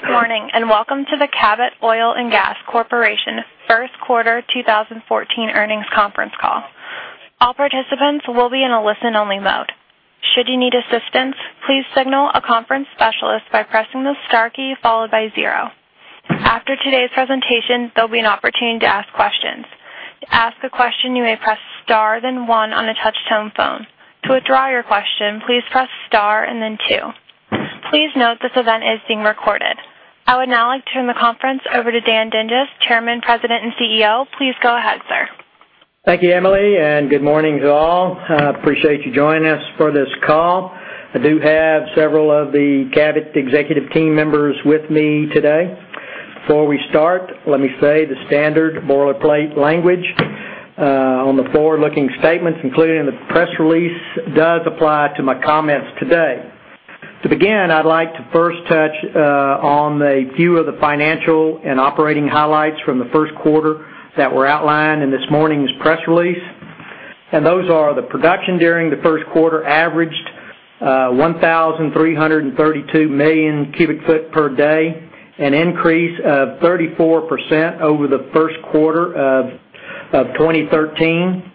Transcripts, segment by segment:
Good morning. Welcome to the Cabot Oil & Gas Corporation First Quarter 2014 Earnings Conference Call. All participants will be in a listen-only mode. Should you need assistance, please signal a conference specialist by pressing the star key followed by zero. After today's presentation, there will be an opportunity to ask questions. To ask a question, you may press star then one on a touch-tone phone. To withdraw your question, please press star and then two. Please note this event is being recorded. I would now like to turn the conference over to Dan Dinges, Chairman, President, and CEO. Please go ahead, sir. Thank you, Emily. Good morning to all. I appreciate you joining us for this call. I do have several of the Cabot executive team members with me today. Before we start, let me say the standard boilerplate language on the forward-looking statements included in the press release does apply to my comments today. To begin, I would like to first touch on a few of the financial and operating highlights from the first quarter that were outlined in this morning's press release. Those are the production during the first quarter averaged 1,332 million cubic foot per day, an increase of 34% over the first quarter of 2013.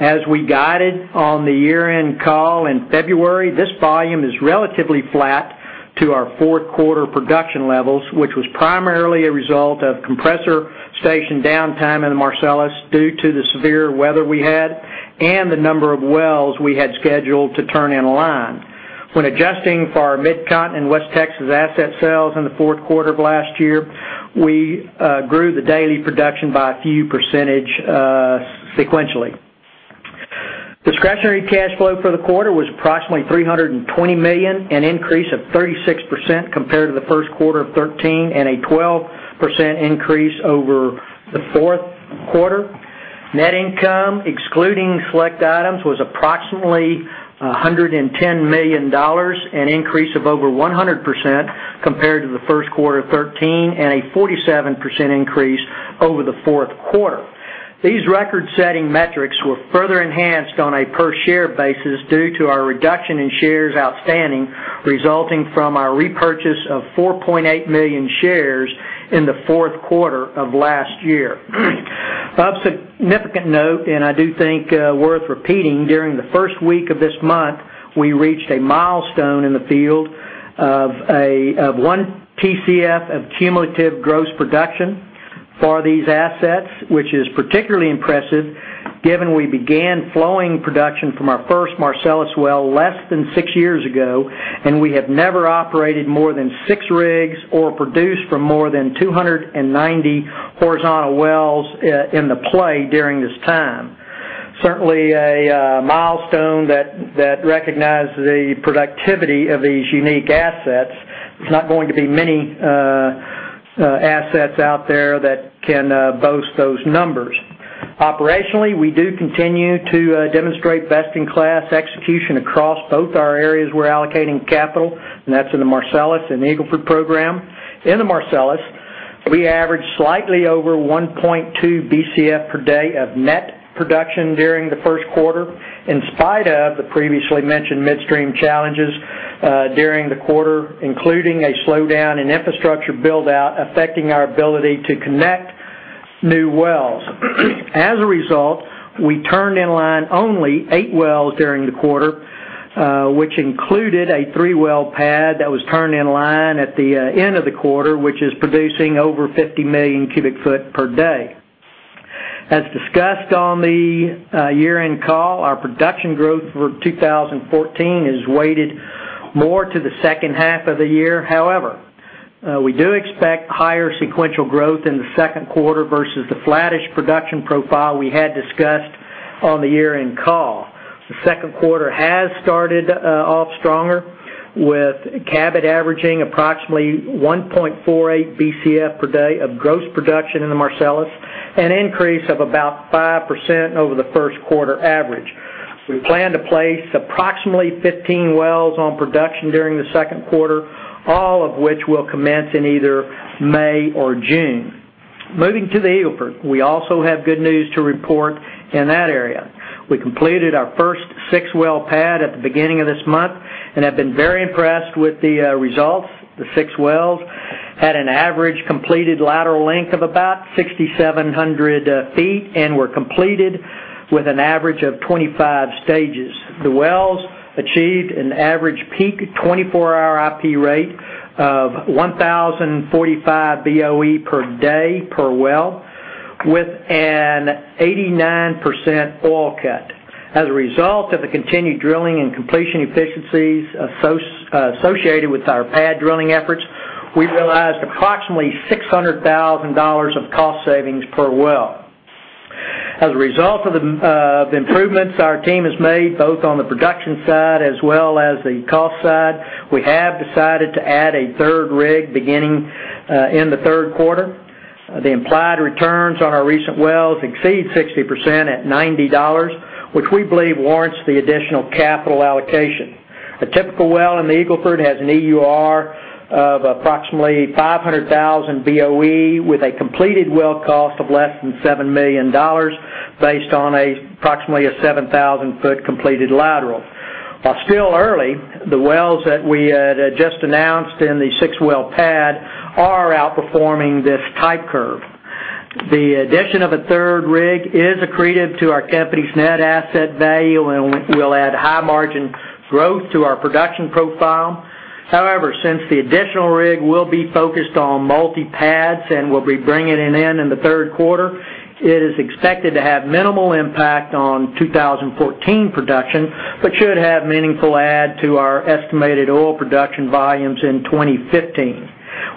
As we guided on the year-end call in February, this volume is relatively flat to our fourth quarter production levels, which was primarily a result of compressor station downtime in the Marcellus due to the severe weather we had and the number of wells we had scheduled to turn in line. When adjusting for our Mid-Con and West Texas asset sales in the fourth quarter of last year, we grew the daily production by a few percentage sequentially. Discretionary cash flow for the quarter was approximately $320 million, an increase of 36% compared to the first quarter of 2013, and a 12% increase over the fourth quarter. Net income, excluding select items, was approximately $110 million, an increase of over 100% compared to the first quarter of 2013, and a 47% increase over the fourth quarter. These record-setting metrics were further enhanced on a per share basis due to our reduction in shares outstanding, resulting from our repurchase of 4.8 million shares in the fourth quarter of last year. Of significant note, I do think worth repeating, during the first week of this month, we reached a milestone in the field of one TCF of cumulative gross production for these assets, which is particularly impressive given we began flowing production from our first Marcellus well less than six years ago, and we have never operated more than six rigs or produced from more than 290 horizontal wells in the play during this time. Certainly a milestone that recognized the productivity of these unique assets. There's not going to be many assets out there that can boast those numbers. Operationally, we do continue to demonstrate best-in-class execution across both our areas we're allocating capital, and that's in the Marcellus and the Eagle Ford program. In the Marcellus, we averaged slightly over 1.2 BCF per day of net production during the first quarter, in spite of the previously mentioned midstream challenges during the quarter, including a slowdown in infrastructure build-out affecting our ability to connect new wells. As a result, we turned in line only eight wells during the quarter, which included a three-well pad that was turned in line at the end of the quarter, which is producing over 50 million cubic foot per day. As discussed on the year-end call, our production growth for 2014 is weighted more to the second half of the year. However, we do expect higher sequential growth in the second quarter versus the flattish production profile we had discussed on the year-end call. The second quarter has started off stronger, with Cabot averaging approximately 1.48 BCF per day of gross production in the Marcellus, an increase of about 5% over the first quarter average. We plan to place approximately 15 wells on production during the second quarter, all of which will commence in either May or June. Moving to the Eagle Ford. We also have good news to report in that area. We completed our first six-well pad at the beginning of this month and have been very impressed with the results. The six wells had an average completed lateral length of about 6,700 feet and were completed with an average of 25 stages. The wells achieved an average peak 24-hour IP rate of 1,045 BOE per day per well, with an 89% oil cut. As a result of the continued drilling and completion efficiencies associated with our pad drilling efforts, we realized approximately $600,000 of cost savings per well. As a result of the improvements our team has made, both on the production side as well as the cost side, we have decided to add a third rig beginning in the third quarter. The implied returns on our recent wells exceed 60% at $90, which we believe warrants the additional capital allocation. A typical well in the Eagle Ford has an EUR of approximately 500,000 BOE with a completed well cost of less than $7 million based on approximately a 7,000-foot completed lateral. While still early, the wells that we had just announced in the six-well pad are outperforming this type curve. The addition of a third rig is accretive to our company's net asset value and will add high margin growth to our production profile. However, since the additional rig will be focused on multi-pads and will be bringing an end in the third quarter, it is expected to have minimal impact on 2014 production, but should have meaningful add to our estimated oil production volumes in 2015.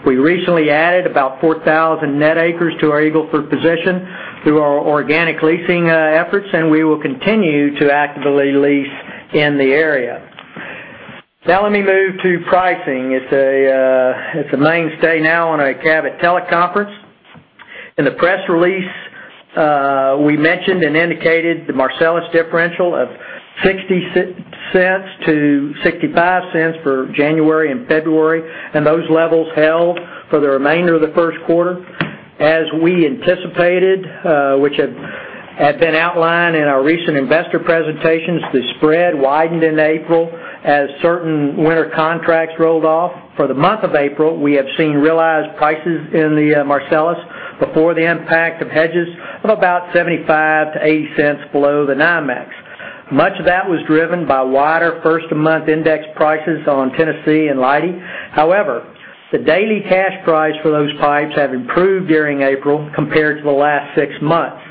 We recently added about 4,000 net acres to our Eagle Ford position through our organic leasing efforts, and we will continue to actively lease in the area. Now let me move to pricing. It's a mainstay now on a Cabot teleconference. In the press release, we mentioned and indicated the Marcellus differential of $0.60-$0.65 for January and February, and those levels held for the remainder of the first quarter. As we anticipated, which had been outlined in our recent investor presentations, the spread widened in April as certain winter contracts rolled off. For the month of April, we have seen realized prices in the Marcellus before the impact of hedges of about $0.75 to $0.80 below the NYMEX. Much of that was driven by wider first-of-the-month index prices on Tennessee and Leidy. The daily cash price for those pipes have improved during April compared to the last six months.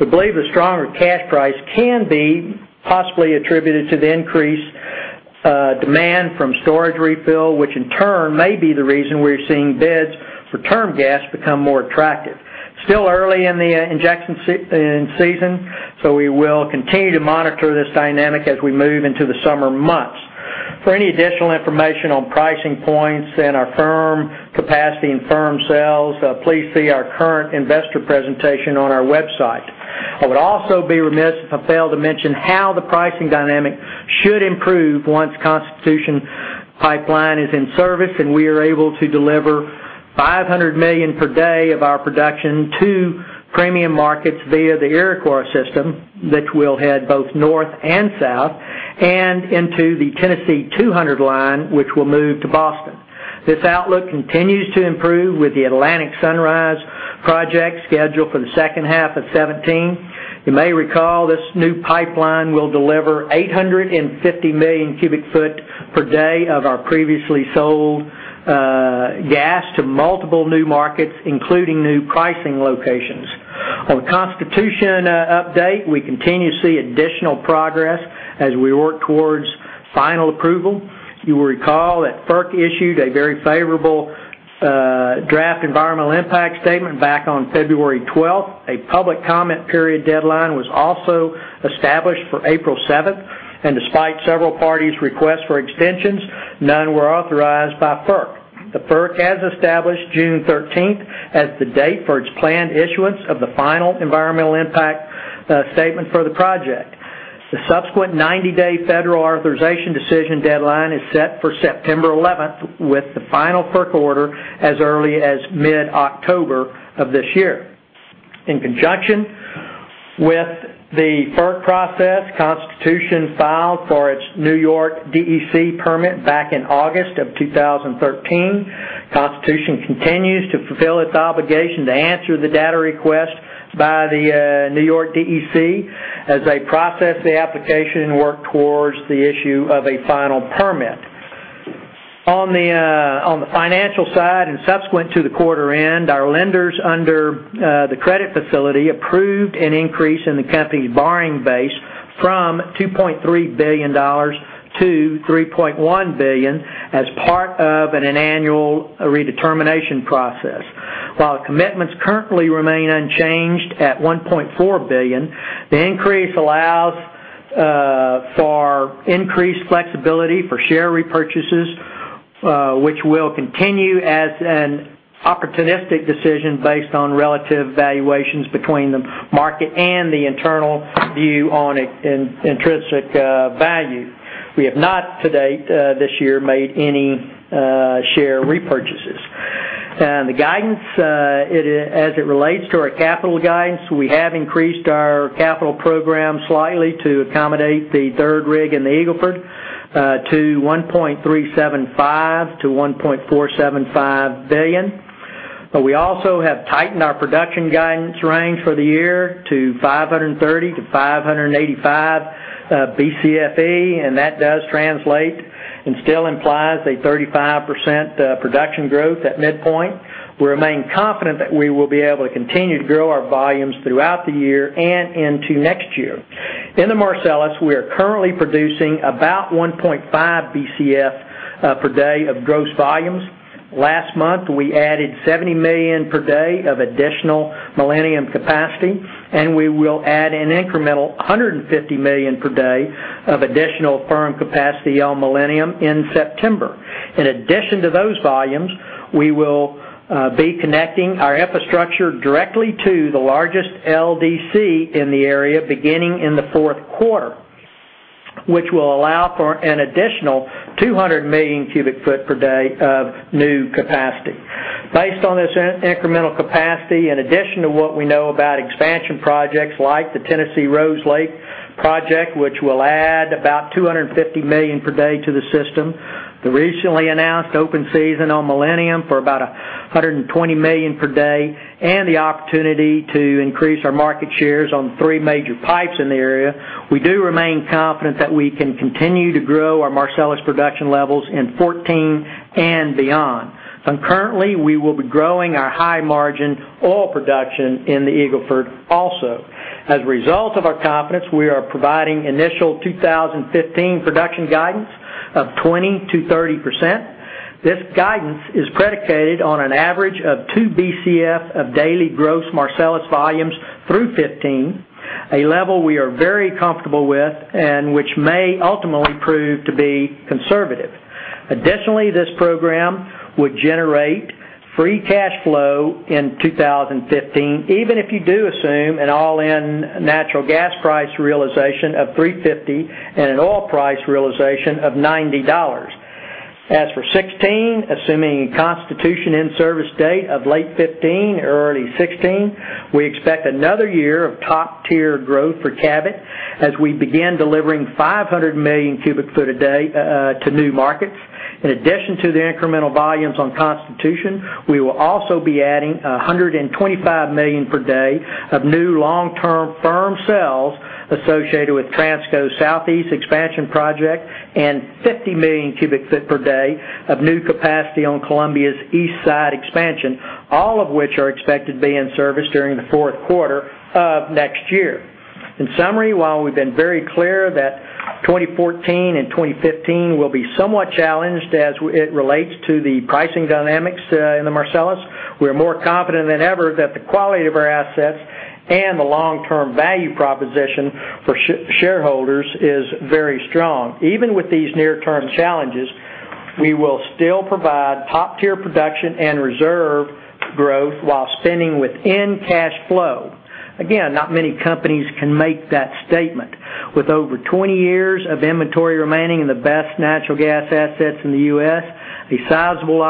We believe the stronger cash price can be possibly attributed to the increased demand from storage refill, which in turn may be the reason we're seeing bids for term gas become more attractive. Still early in the injection season, so we will continue to monitor this dynamic as we move into the summer months. For any additional information on pricing points and our firm capacity and firm sales, please see our current investor presentation on our website. I would also be remiss if I fail to mention how the pricing dynamic should improve once Constitution Pipeline is in service and we are able to deliver 500 million per day of our production to premium markets via the Iroquois system, which will head both north and south and into the Tennessee Gas Pipeline Zone 4 200 Leg, which will move to Boston. This outlook continues to improve with the Atlantic Sunrise project scheduled for the second half of 2017. You may recall this new pipeline will deliver 850 million cubic foot per day of our previously sold gas to multiple new markets, including new pricing locations. On Constitution update, we continue to see additional progress as we work towards final approval. You will recall that FERC issued a very favorable draft environmental impact statement back on February 12th. A public comment period deadline was also established for April 7th, and despite several parties' requests for extensions, none were authorized by FERC. The FERC has established June 13th as the date for its planned issuance of the final environmental impact statement for the project. The subsequent 90-day federal authorization decision deadline is set for September 11th, with the final FERC order as early as mid-October of this year. In conjunction with the FERC process, Constitution filed for its New York State Department of Environmental Conservation permit back in August of 2013. Constitution continues to fulfill its obligation to answer the data request by the New York State Department of Environmental Conservation as they process the application and work towards the issue of a final permit. On the financial side and subsequent to the quarter end, our lenders under the credit facility approved an increase in the company's borrowing base from $2.3 billion-$3.1 billion as part of an annual redetermination process. While the commitments currently remain unchanged at $1.4 billion, the increase allows for increased flexibility for share repurchases, which will continue as an opportunistic decision based on relative valuations between the market and the internal view on intrinsic value. We have not to date this year made any share repurchases. The guidance, as it relates to our capital guidance, we have increased our capital program slightly to accommodate the third rig in the Eagle Ford to $1.375 billion-$1.475 billion. We also have tightened our production guidance range for the year to 530-585 Bcfe, and that does translate and still implies a 35% production growth at midpoint. We remain confident that we will be able to continue to grow our volumes throughout the year and into next year. In the Marcellus, we are currently producing about 1.5 Bcf per day of gross volumes. Last month, we added 70 million per day of additional Millennium capacity, and we will add an incremental 150 million per day of additional firm capacity on Millennium in September. In addition to those volumes, we will be connecting our infrastructure directly to the largest LDC in the area beginning in the fourth quarter, which will allow for an additional 200 million cubic foot per day of new capacity. Based on this incremental capacity, in addition to what we know about expansion projects like the Tennessee Rose Lake project, which will add about 250 million per day to the system, the recently announced open season on Millennium for about 120 million per day, and the opportunity to increase our market shares on three major pipes in the area, we do remain confident that we can continue to grow our Marcellus production levels in 2014 and beyond. Concurrently, we will be growing our high-margin oil production in the Eagle Ford also. As a result of our confidence, we are providing initial 2015 production guidance of 20%-30%. This guidance is predicated on an average of two Bcf of daily gross Marcellus volumes through 2015, a level we are very comfortable with, and which may ultimately prove to be conservative. This program would generate free cash flow in 2015, even if you do assume an all-in natural gas price realization of $3.50 and an oil price realization of $90. As for 2016, assuming Constitution in-service date of late 2015 or early 2016, we expect another year of top-tier growth for Cabot as we begin delivering 500 million cubic foot a day to new markets. In addition to the incremental volumes on Constitution, we will also be adding 125 million per day of new long-term firm sales associated with Transco Southeast Expansion project and 50 million cubic foot per day of new capacity on Columbia's East Side Expansion, all of which are expected to be in service during the fourth quarter of next year. While we've been very clear that 2014 and 2015 will be somewhat challenged as it relates to the pricing dynamics in the Marcellus, we're more confident than ever that the quality of our assets and the long-term value proposition for shareholders is very strong. Even with these near-term challenges, we will still provide top-tier production and reserve growth while spending within cash flow. Again, not many companies can make that statement. With over 20 years of inventory remaining in the best natural gas assets in the U.S., a sizable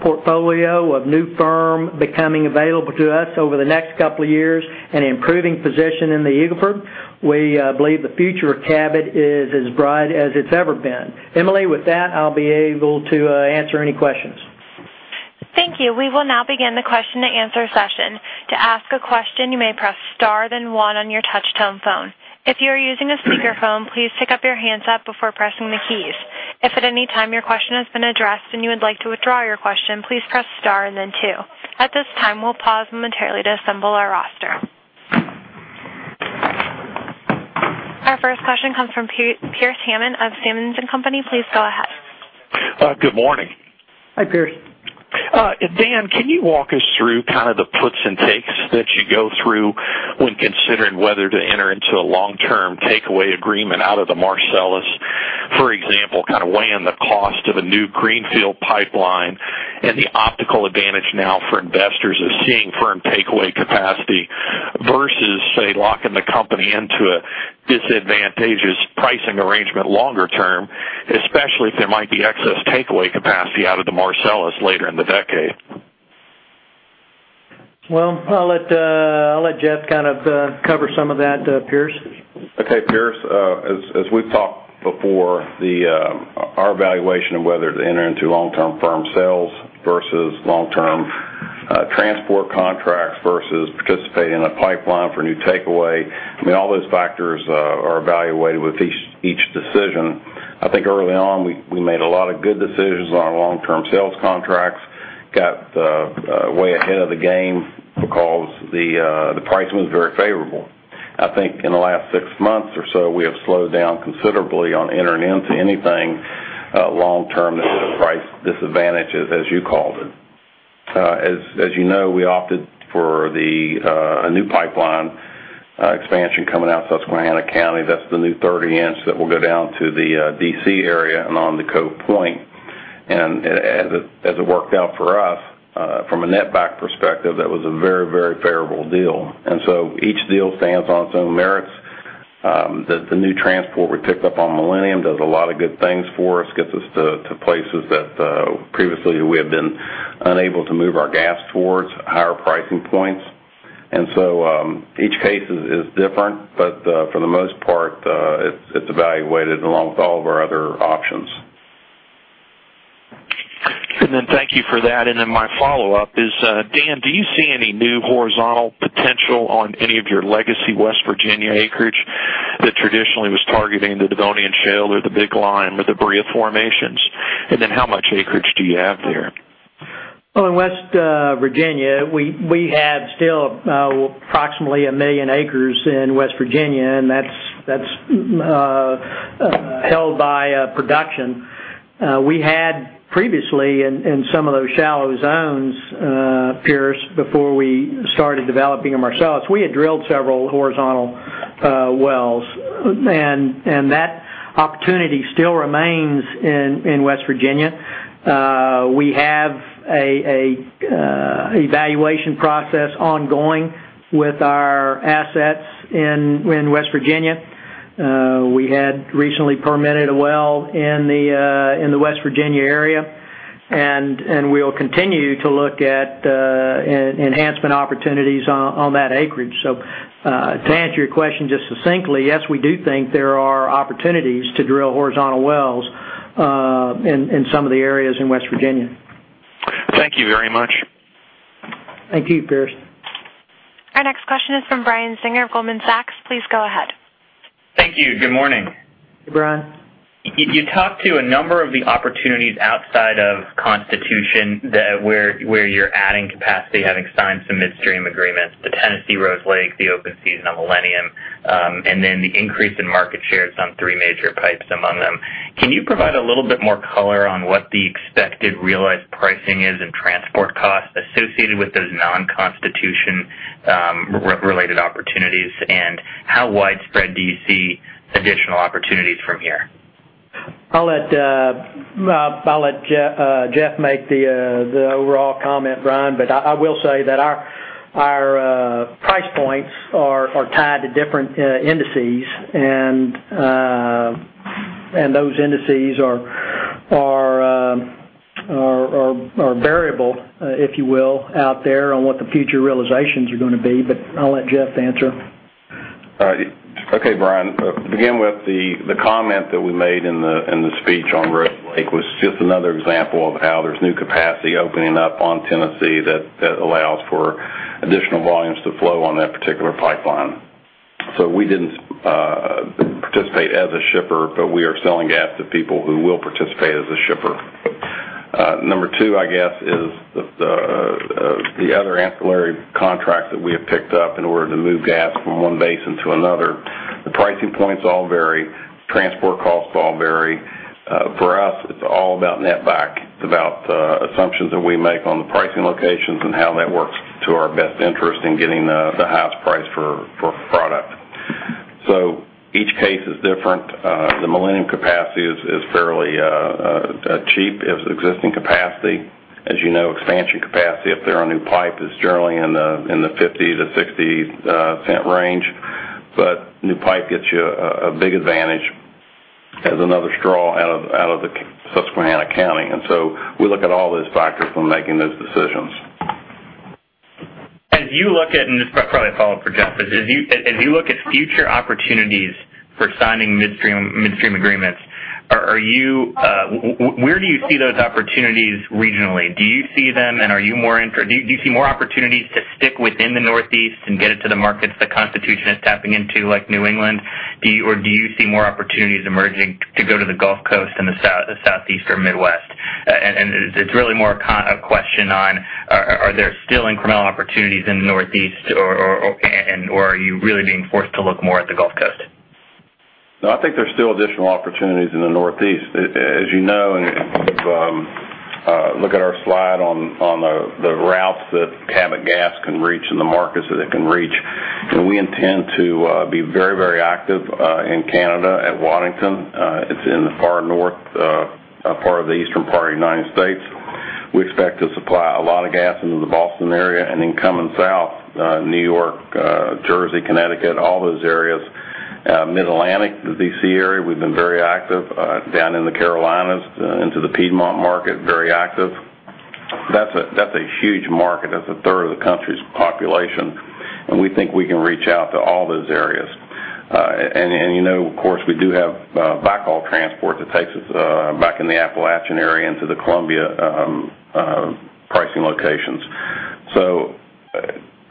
portfolio of new firm becoming available to us over the next couple of years, and improving position in the Eagle Ford, we believe the future of Cabot is as bright as it's ever been. Emily, with that, I'll be able to answer any questions. Thank you. We will now begin the question and answer session. To ask a question, you may press star then one on your touchtone phone. If you are using a speakerphone, please pick up your handset before pressing the keys. If at any time your question has been addressed and you would like to withdraw your question, please press star and then two. At this time, we'll pause momentarily to assemble our roster. Our first question comes from Pearce Hammond of Simmons & Company. Please go ahead. Good morning. Hi, Pearce. Dan, can you walk us through the puts and takes that you go through when considering whether to enter into a long-term takeaway agreement out of the Marcellus? For example, weighing the cost of a new greenfield pipeline and the optical advantage now for investors of seeing firm takeaway capacity versus, say, locking the company into a disadvantageous pricing arrangement longer term, especially if there might be excess takeaway capacity out of the Marcellus later in the decade. Well, I'll let Jeff cover some of that, Pearce. Okay, Pearce. As we've talked before, our evaluation of whether to enter into long-term firm sales versus long-term transport contracts versus participating in a pipeline for new takeaway, all those factors are evaluated with each decision. I think early on, we made a lot of good decisions on our long-term sales contracts, got way ahead of the game because the pricing was very favorable. I think in the last six months or so, we have slowed down considerably on entering into anything long term that has a price disadvantage, as you called it. As you know, we opted for a new pipeline expansion coming out of Susquehanna County. That's the new 30-inch that will go down to the D.C. area and on to Cove Point. As it worked out for us from a net back perspective, that was a very, very favorable deal. Each deal stands on its own merits. The new transport we picked up on Millennium does a lot of good things for us, gets us to places that previously we had been unable to move our gas towards, higher pricing points. Each case is different, but for the most part, it's evaluated along with all of our other options. Thank you for that. My follow-up is, Dan, do you see any new horizontal potential on any of your legacy West Virginia acreage that traditionally was targeting the Devonian shale or the Big Lime or the Berea formations? How much acreage do you have there? Well, in West Virginia, we have still approximately 1 million acres in West Virginia, and that's held by production. We had previously in some of those shallow zones, Pearce, before we started developing them ourselves, we had drilled several horizontal wells, and that opportunity still remains in West Virginia. We have an evaluation process ongoing with our assets in West Virginia. We had recently permitted a well in the West Virginia area, and we'll continue to look at enhancement opportunities on that acreage. To answer your question just succinctly, yes, we do think there are opportunities to drill horizontal wells in some of the areas in West Virginia. Thank you very much. Thank you, Pearce. Our next question is from Brian of Goldman Sachs. Please go ahead. Thank you. Good morning. Hey, Brian. You talked to a number of the opportunities outside of Constitution, where you're adding capacity, having signed some midstream agreements, the Tennessee Gas Rose Lake, the Open Season on Millennium Pipeline, then the increase in market shares on three major pipes among them. Can you provide a little bit more color on what the expected realized pricing is and transport costs associated with those non-Constitution-related opportunities? How widespread do you see additional opportunities from here? I'll let Jeff make the overall comment, Brian, I will say that our price points are tied to different indices. Those indices are variable, if you will, out there on what the future realizations are going to be. I'll let Jeff answer. Okay, Brian. To begin with, the comment that we made in the speech on Rose Lake was just another example of how there's new capacity opening up on Tennessee that allows for additional volumes to flow on that particular pipeline. We didn't participate as a shipper, but we are selling gas to people who will participate as a shipper. Number two, I guess, is the other ancillary contracts that we have picked up in order to move gas from one basin to another. The pricing points all vary. Transport costs all vary. For us, it's all about net back. It's about the assumptions that we make on the pricing locations and how that works to our best interest in getting the highest price for product. Each case is different. The Millennium capacity is fairly cheap. It's existing capacity. As you know, expansion capacity up there on new pipe is generally in the $0.50-$0.60 range. New pipe gets you a big advantage as another straw out of the Susquehanna County. We look at all those factors when making those decisions. As you look at, and this is probably a follow-up for Jeff, as you look at future opportunities for signing midstream agreements, where do you see those opportunities regionally? Do you see more opportunities to stick within the Northeast and get it to the markets that Constitution is tapping into, like New England? Do you see more opportunities emerging to go to the Gulf Coast and the Southeast or Midwest? It's really more a question on, are there still incremental opportunities in the Northeast, or are you really being forced to look more at the Gulf Coast? No, I think there's still additional opportunities in the Northeast. As you know, if you look at our slide on the routes that Cabot Gas can reach and the markets that it can reach, we intend to be very active in Canada at Waddington. It's in the far north part of the eastern part of the U.S. We expect to supply a lot of gas into the Boston area and then coming south, New York, New Jersey, Connecticut, all those areas. Mid-Atlantic, the D.C. area, we've been very active. Down in the Carolinas into the Piedmont market, very active. That's a huge market. That's a third of the country's population, we think we can reach out to all those areas. You know, of course, we do have backhaul transport that takes us back in the Appalachian area into the Columbia pricing locations.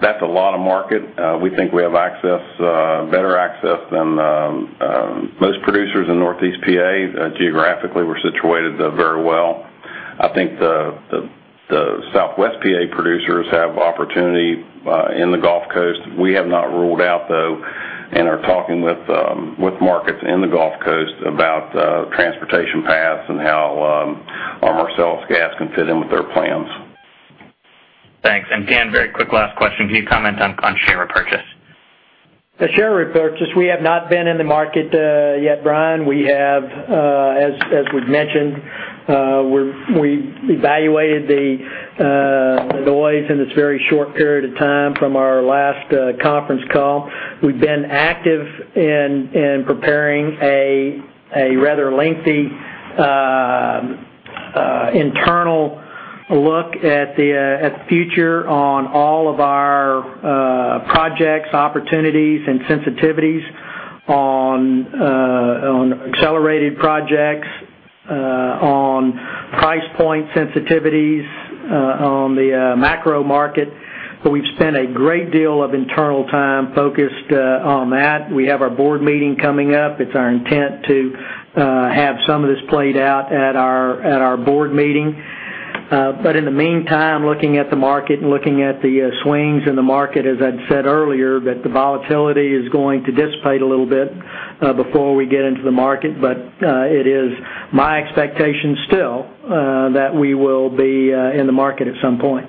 That's a lot of market. We think we have better access than most producers in Northeast PA. Geographically, we're situated very well. I think the Southwest PA producers have opportunity in the Gulf Coast. We have not ruled out, though, and are talking with markets in the Gulf Coast about transportation paths and how our Marcellus gas can fit in with their plans. Thanks. Dan, very quick last question. Can you comment on share repurchase? The share repurchase, we have not been in the market yet, Brian. We have, as we've mentioned, we evaluated the noise in this very short period of time from our last conference call. We've been active in preparing a rather lengthy internal look at the future on all of our projects, opportunities, and sensitivities on accelerated projects, on price point sensitivities on the macro market. We've spent a great deal of internal time focused on that. We have our board meeting coming up. It's our intent to have some of this played out at our board meeting. In the meantime, looking at the market and looking at the swings in the market, as I'd said earlier, that the volatility is going to dissipate a little bit before we get into the market. It is my expectation still that we will be in the market at some point.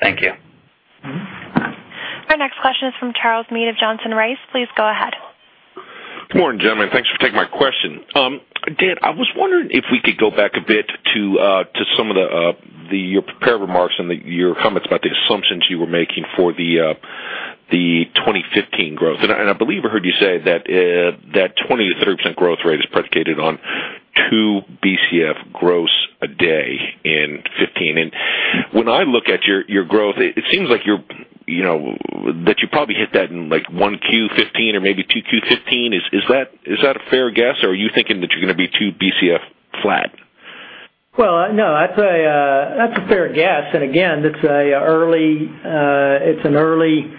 Thank you. Our next question is from Charles Meade of Johnson Rice. Please go ahead. Good morning, gentlemen. Thanks for taking my question. Dan, I was wondering if we could go back a bit to some of your prepared remarks and your comments about the assumptions you were making for the 2015 growth. I believe I heard you say that that 20%-30% growth rate is predicated on 2 Bcf gross a day in 2015. When I look at your growth, it seems like you probably hit that in 1Q 2015 or maybe 2Q 2015. Is that a fair guess, or are you thinking that you're going to be 2 Bcf flat? Well, no, that's a fair guess. Again, it's an early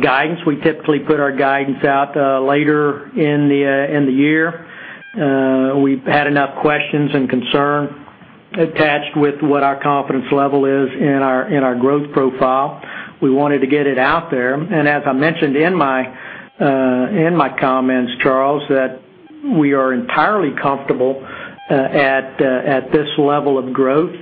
guidance. We typically put our guidance out later in the year. We've had enough questions and concern attached with what our confidence level is in our growth profile. We wanted to get it out there, and as I mentioned in my comments, Charles, that we are entirely comfortable at this level of growth.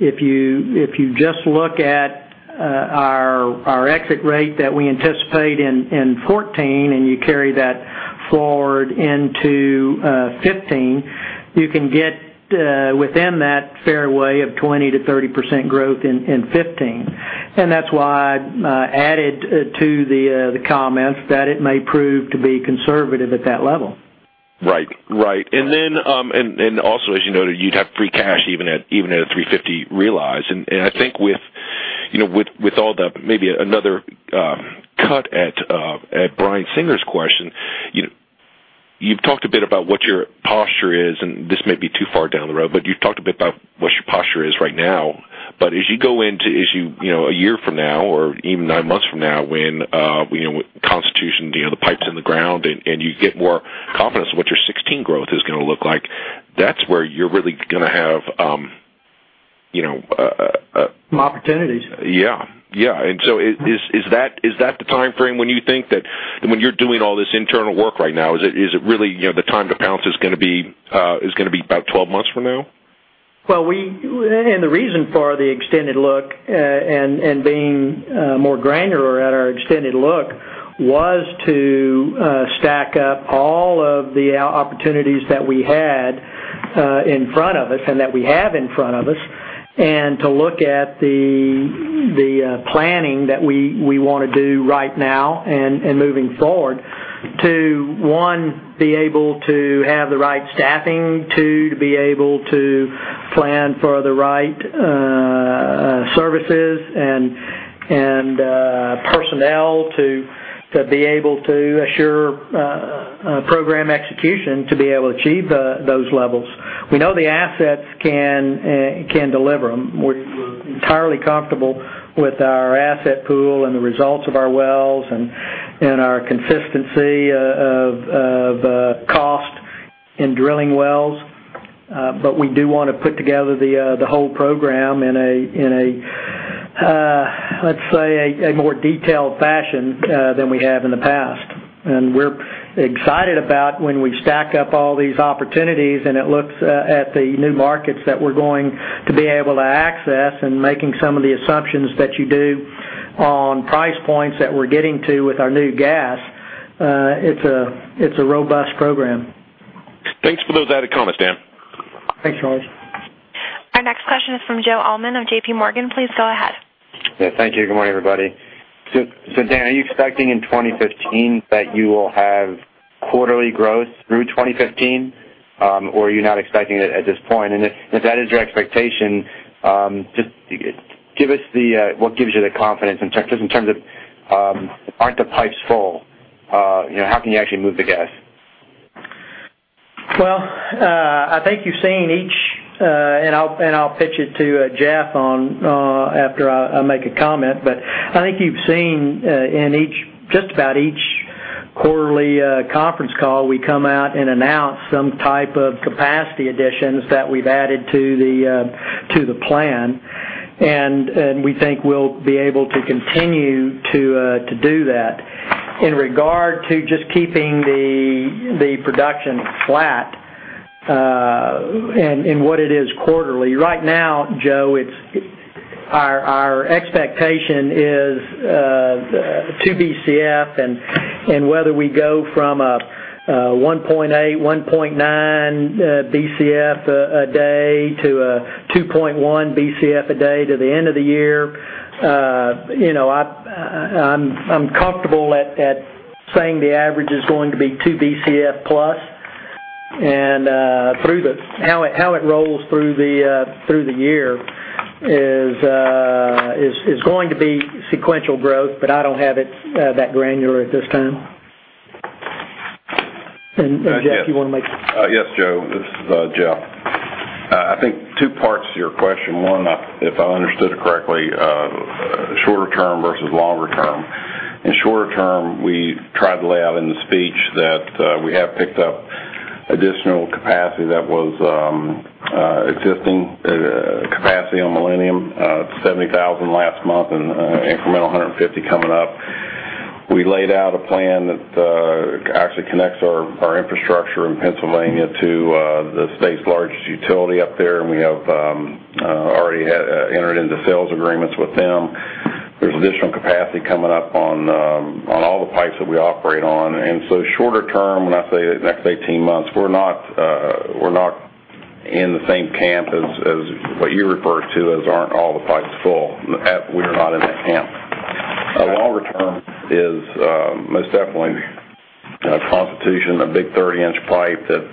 If you just look at our exit rate that we anticipate in 2014, you carry that forward into 2015, you can get within that fairway of 20%-30% growth in 2015. That's why I added to the comments that it may prove to be conservative at that level. Right. Then, also as you noted, you'd have free cash even at a $3.50 realize. I think with maybe another cut at Brian Singer's question, you've talked a bit about what your posture is, and this may be too far down the road, but you've talked a bit about what your posture is right now, but as you go into a year from now or even nine months from now when Constitution, the pipe's in the ground, and you get more confidence in what your 2016 growth is going to look like, that's where you're really going to have Some opportunities. Yeah. Is that the timeframe when you think that when you're doing all this internal work right now, is it really the time to pounce is going to be about 12 months from now? Well, the reason for the extended look, and being more granular at our extended look, was to stack up all of the opportunities that we had in front of us and that we have in front of us, and to look at the planning that we want to do right now and moving forward to, one, be able to have the right staffing, two, to be able to plan for the right services and personnel to be able to assure program execution to be able to achieve those levels. We know the assets can deliver them. We're entirely comfortable with our asset pool and the results of our wells and our consistency of cost in drilling wells. We do want to put together the whole program in a, let's say, a more detailed fashion than we have in the past. We're excited about when we stack up all these opportunities, and it looks at the new markets that we're going to be able to access and making some of the assumptions that you do on price points that we're getting to with our new gas. It's a robust program. Thanks for those added comments, Dan. Thanks, Charles. Our next question is from Joe Allman of JPMorgan. Please go ahead. Yeah, thank you. Good morning, everybody. Dan, are you expecting in 2015 that you will have quarterly growth through 2015? Are you not expecting it at this point? If that is your expectation, just give us what gives you the confidence in terms of aren't the pipes full? How can you actually move the gas? Well, I think you've seen each, I'll pitch it to Jeff after I make a comment, I think you've seen in just about each quarterly conference call, we come out and announce some type of capacity additions that we've added to the plan. We think we'll be able to continue to do that. In regard to just keeping the production flat, and what it is quarterly, right now, Joe, our expectation is 2 Bcf, whether we go from a 1.8, 1.9 Bcf a day to a 2.1 Bcf a day to the end of the year, I'm comfortable at saying the average is going to be 2 Bcf plus, how it rolls through the year is going to be sequential growth, I don't have it that granular at this time. Jeff, you want to make- Yes, Joe. This is Jeff. I think two parts to your question. One, if I understood it correctly, shorter term versus longer term. In shorter term, we tried to lay out in the speech that we have picked up additional capacity that was existing capacity on Millennium. 70,000 last month and incremental 150 coming up. We laid out a plan that actually connects our infrastructure in Pennsylvania to the state's largest utility up there, we have already entered into sales agreements with them. There's additional capacity coming up on all the pipes that we operate on. Shorter term, when I say next 18 months, we're not in the same camp as what you refer to as aren't all the pipes full. We're not in that camp. Longer term is most definitely Constitution, a big 30-inch pipe that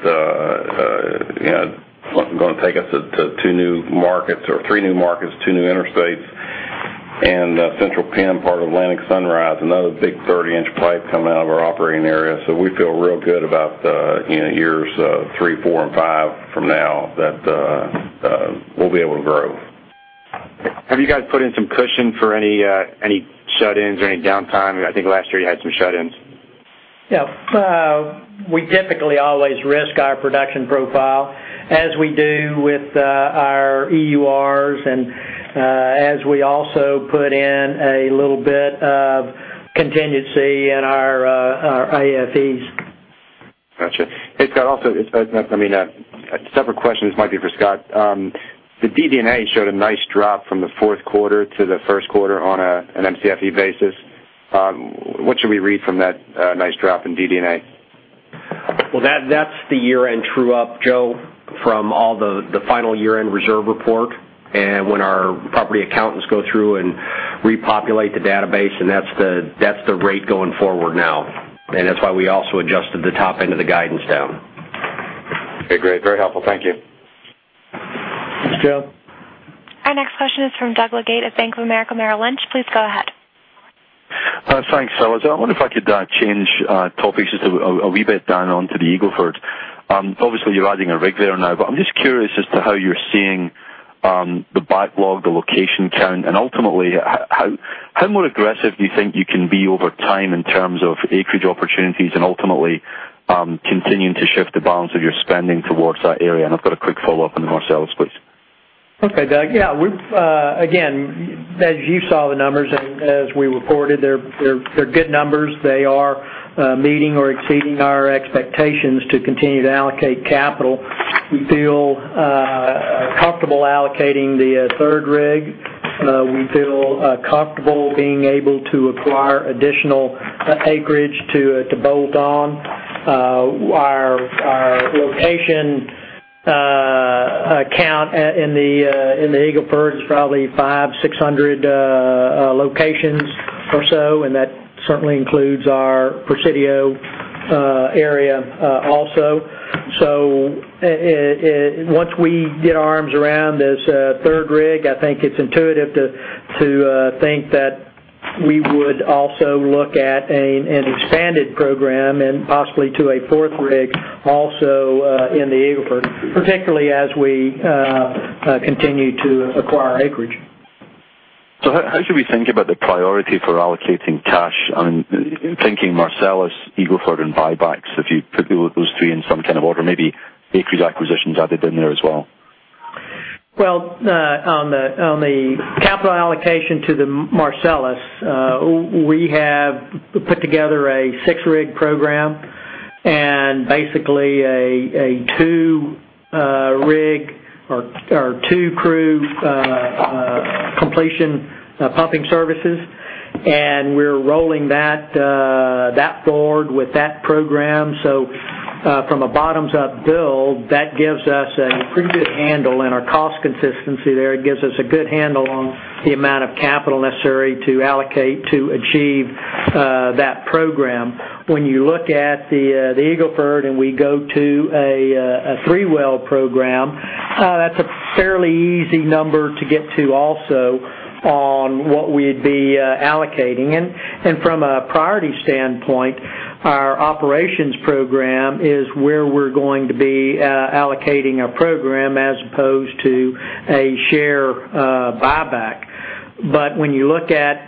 going to take us to two new markets or three new markets, two new interstates, Central Penn, part of Atlantic Sunrise, another big 30-inch pipe coming out of our operating area. We feel real good about years three, four, and five from now that we'll be able to grow. Have you guys put in some cushion for any shut-ins or any downtime? I think last year you had some shut-ins. Yeah. We typically always risk our production profile, as we do with our EURs, as we also put in a little bit of contingency in our AFEs. Got you. Hey, Scott, also, separate question. This might be for Scott. The DD&A showed a nice drop from the fourth quarter to the first quarter on an MCFE basis. What should we read from that nice drop in DD&A? Well, that's the year-end true-up, Joe, from all the final year-end reserve report. When our property accountants go through and repopulate the database, and that's the rate going forward now. That's why we also adjusted the top end of the guidance down. Okay, great. Very helpful. Thank you. Thanks, Joe. Our next question is from Doug Leggate of Bank of America Merrill Lynch. Please go ahead. Thanks. I wonder if I could change topics just a wee bit, Dan, onto the Eagle Ford. Obviously, you're adding a rig there now, but I'm just curious as to how you're seeing the backlog, the location count, and ultimately, how more aggressive do you think you can be over time in terms of acreage opportunities and ultimately continuing to shift the balance of your spending towards that area? I've got a quick follow-up on the Marcellus, please. Okay, Doug. Yeah. Again, as you saw the numbers and as we reported, they're good numbers. They are meeting or exceeding our expectations to continue to allocate capital. We feel comfortable allocating the third rig. We feel comfortable being able to acquire additional acreage to bolt on. Our location count in the Eagle Ford is probably 500, 600 locations or so, and that certainly includes our Presidio area also. Once we get our arms around this third rig, I think it's intuitive to think that we would also look at an expanded program and possibly to a fourth rig also in the Eagle Ford, particularly as we continue to acquire acreage. How should we think about the priority for allocating cash? I'm thinking Marcellus, Eagle Ford, and buybacks. If you put those three in some kind of order, maybe acreage acquisitions added in there as well. Well, on the capital allocation to the Marcellus, we have put together a six-rig program and basically a two-rig or two-crew completion pumping services, and we're rolling that forward with that program. From a bottoms up build, that gives us a pretty good handle in our cost consistency there. It gives us a good handle on the amount of capital necessary to allocate to achieve that program. When you look at the Eagle Ford and we go to a three-well program, that's a fairly easy number to get to also on what we'd be allocating. From a priority standpoint, our operations program is where we're going to be allocating a program as opposed to a share buyback. When you look at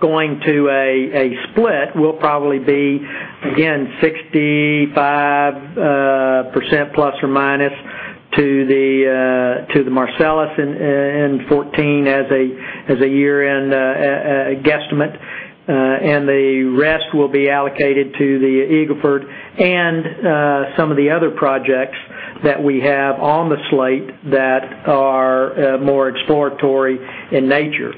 going to a split, we'll probably be, again, 65% plus or minus to the Marcellus in 2014 as a year-end guesstimate. The rest will be allocated to the Eagle Ford and some of the other projects that we have on the slate that are more exploratory in nature.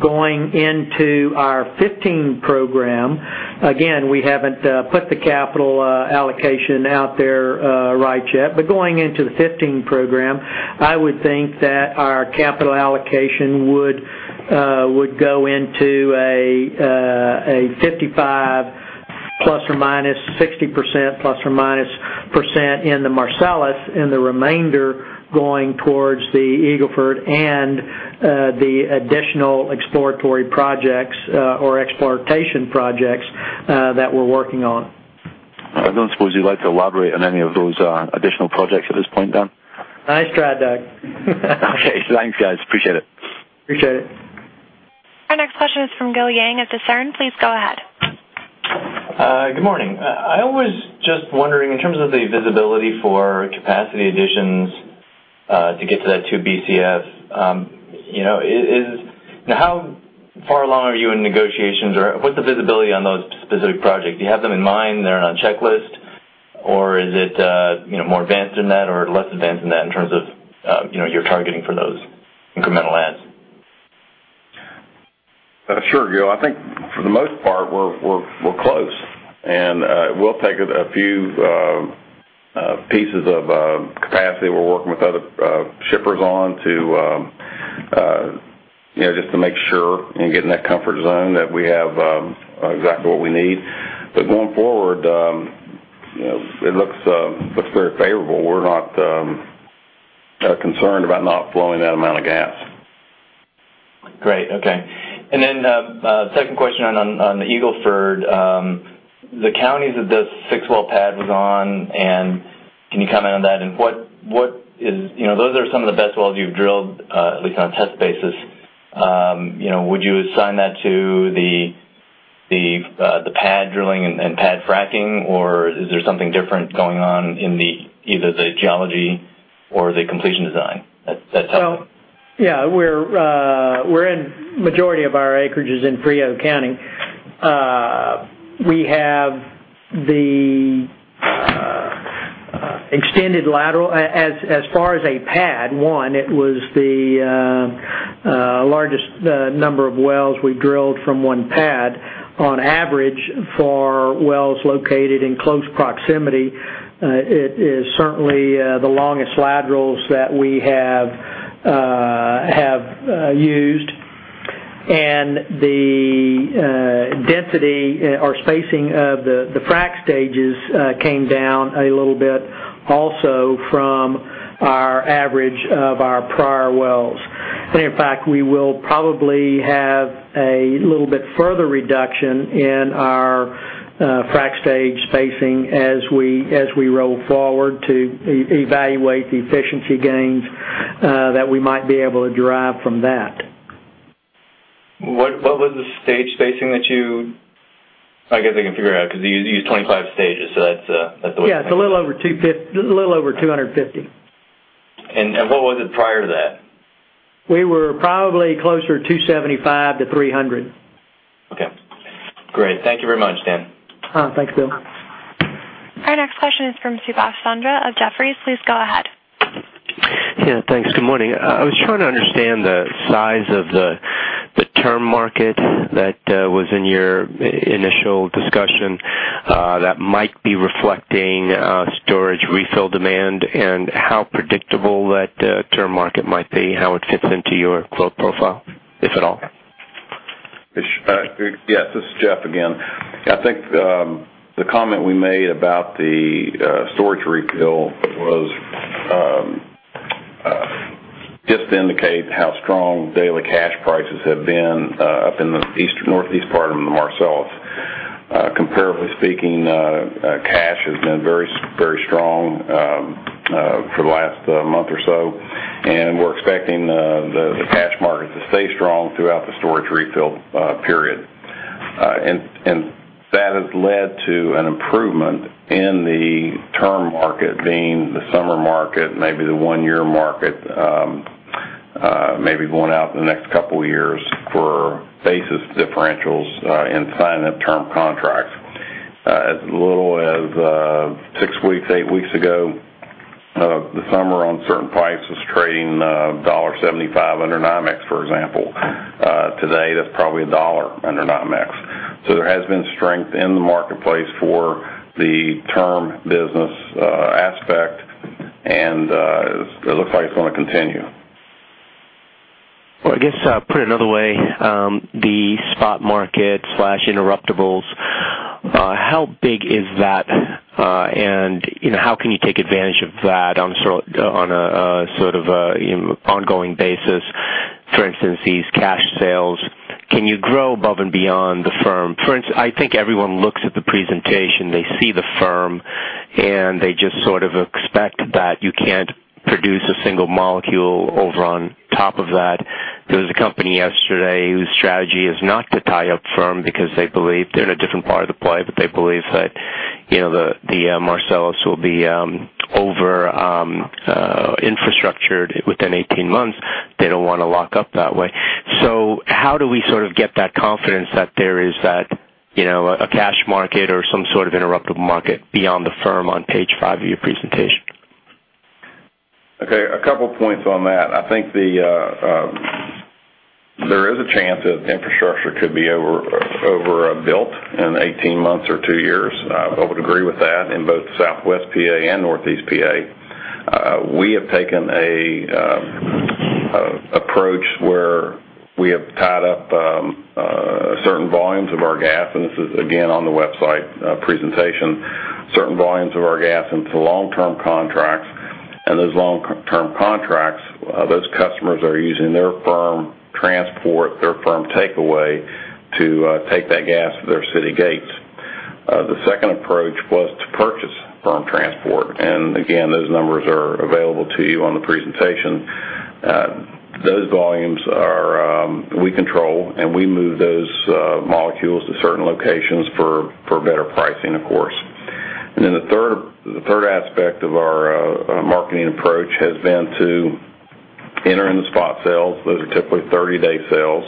Going into our 2015 program, again, we haven't put the capital allocation out there right yet, but going into the 2015 program, I would think that our capital allocation would go into a 55 plus or minus 60% plus or minus in the Marcellus, and the remainder going towards the Eagle Ford and the additional exploratory projects or exportation projects that we're working on. I don't suppose you'd like to elaborate on any of those additional projects at this point, Don? Nice try, Doug. Okay. Thanks, guys. Appreciate it. Appreciate it. Our next question is from Gil Yang of DISCERN. Please go ahead. Good morning. I was just wondering, in terms of the visibility for capacity additions to get to that 2 BCFs, how far along are you in negotiations, or what's the visibility on those specific projects? Do you have them in mind? They're on a checklist? Is it more advanced than that or less advanced than that in terms of your targeting for those incremental adds? Sure, Gil. I think for the most part, we're close. It will take a few pieces of capacity we're working with other shippers on just to make sure and get in that comfort zone that we have exactly what we need. Going forward, it looks very favorable. We're not concerned about not flowing that amount of gas. Great. Okay. Second question on the Eagle Ford, the counties that this 6-well pad was on, can you comment on that? Those are some of the best wells you've drilled, at least on a test basis. Would you assign that to the pad drilling and pad fracking, or is there something different going on in either the geology or the completion design that Yeah. Majority of our acreage is in Frio County. We have the extended lateral. As far as a pad, one, it was the largest number of wells we've drilled from one pad. On average, for wells located in close proximity, it is certainly the longest laterals that we have used. The density or spacing of the frack stages came down a little bit also from our average of our prior wells. In fact, we will probably have a little bit further reduction in our frack stage spacing as we roll forward to evaluate the efficiency gains that we might be able to derive from that. What was the stage spacing that you I guess I can figure it out because you used 25 stages, that's the way? Yeah, it's a little over 250. What was it prior to that? We were probably closer to 275-300. Okay, great. Thank you very much, Dan. Thanks, Gil. Our next question is from Subash Chandra of Jefferies. Please go ahead. Yeah, thanks. Good morning. I was trying to understand the size of the term market that was in your initial discussion that might be reflecting storage refill demand, and how predictable that term market might be, how it fits into your quote profile, if at all. Yes, this is Jeff again. I think the comment we made about the storage refill was just to indicate how strong daily cash prices have been up in the Northeast part of the Marcellus. Comparatively speaking, cash has been very strong for the last month or so, we're expecting the cash market to stay strong throughout the storage refill period. That has led to an improvement in the term market, being the summer market, maybe the one-year market, maybe going out in the next couple of years for basis differentials in signing up term contracts. As little as six weeks, eight weeks ago, the summer on certain prices trading $1.75 under NYMEX, for example. Today, that's probably $1 under NYMEX. There has been strength in the marketplace for the term business aspect, and it looks like it's going to continue. Well, I guess, put another way, the spot market/interruptibles, how big is that? How can you take advantage of that on a sort of ongoing basis? For instance, these cash sales, can you grow above and beyond the firm? I think everyone looks at the presentation, they see the firm, and they just sort of expect that you can't produce a single molecule over on top of that. There was a company yesterday whose strategy is not to tie up firm because they believe they're in a different part of the play, but they believe that the Marcellus will be over-infrastructured within 18 months. They don't want to lock up that way. How do we sort of get that confidence that there is a cash market or some sort of interruptible market beyond the firm on page five of your presentation? Okay, a couple of points on that. I think there is a chance that infrastructure could be overbuilt in 18 months or two years. I would agree with that in both Southwest PA and Northeast PA. We have taken an approach where we have tied up certain volumes of our gas, this is again on the website presentation. Certain volumes of our gas into long-term contracts, those long-term contracts, those customers are using their firm transport, their firm takeaway to take that gas to their city gates. The second approach was to purchase firm transport, again, those numbers are available to you on the presentation. Those volumes we control, and we move those molecules to certain locations for better pricing, of course. Then the third aspect of our marketing approach has been to Enter in the spot sales. Those are typically 30-day sales.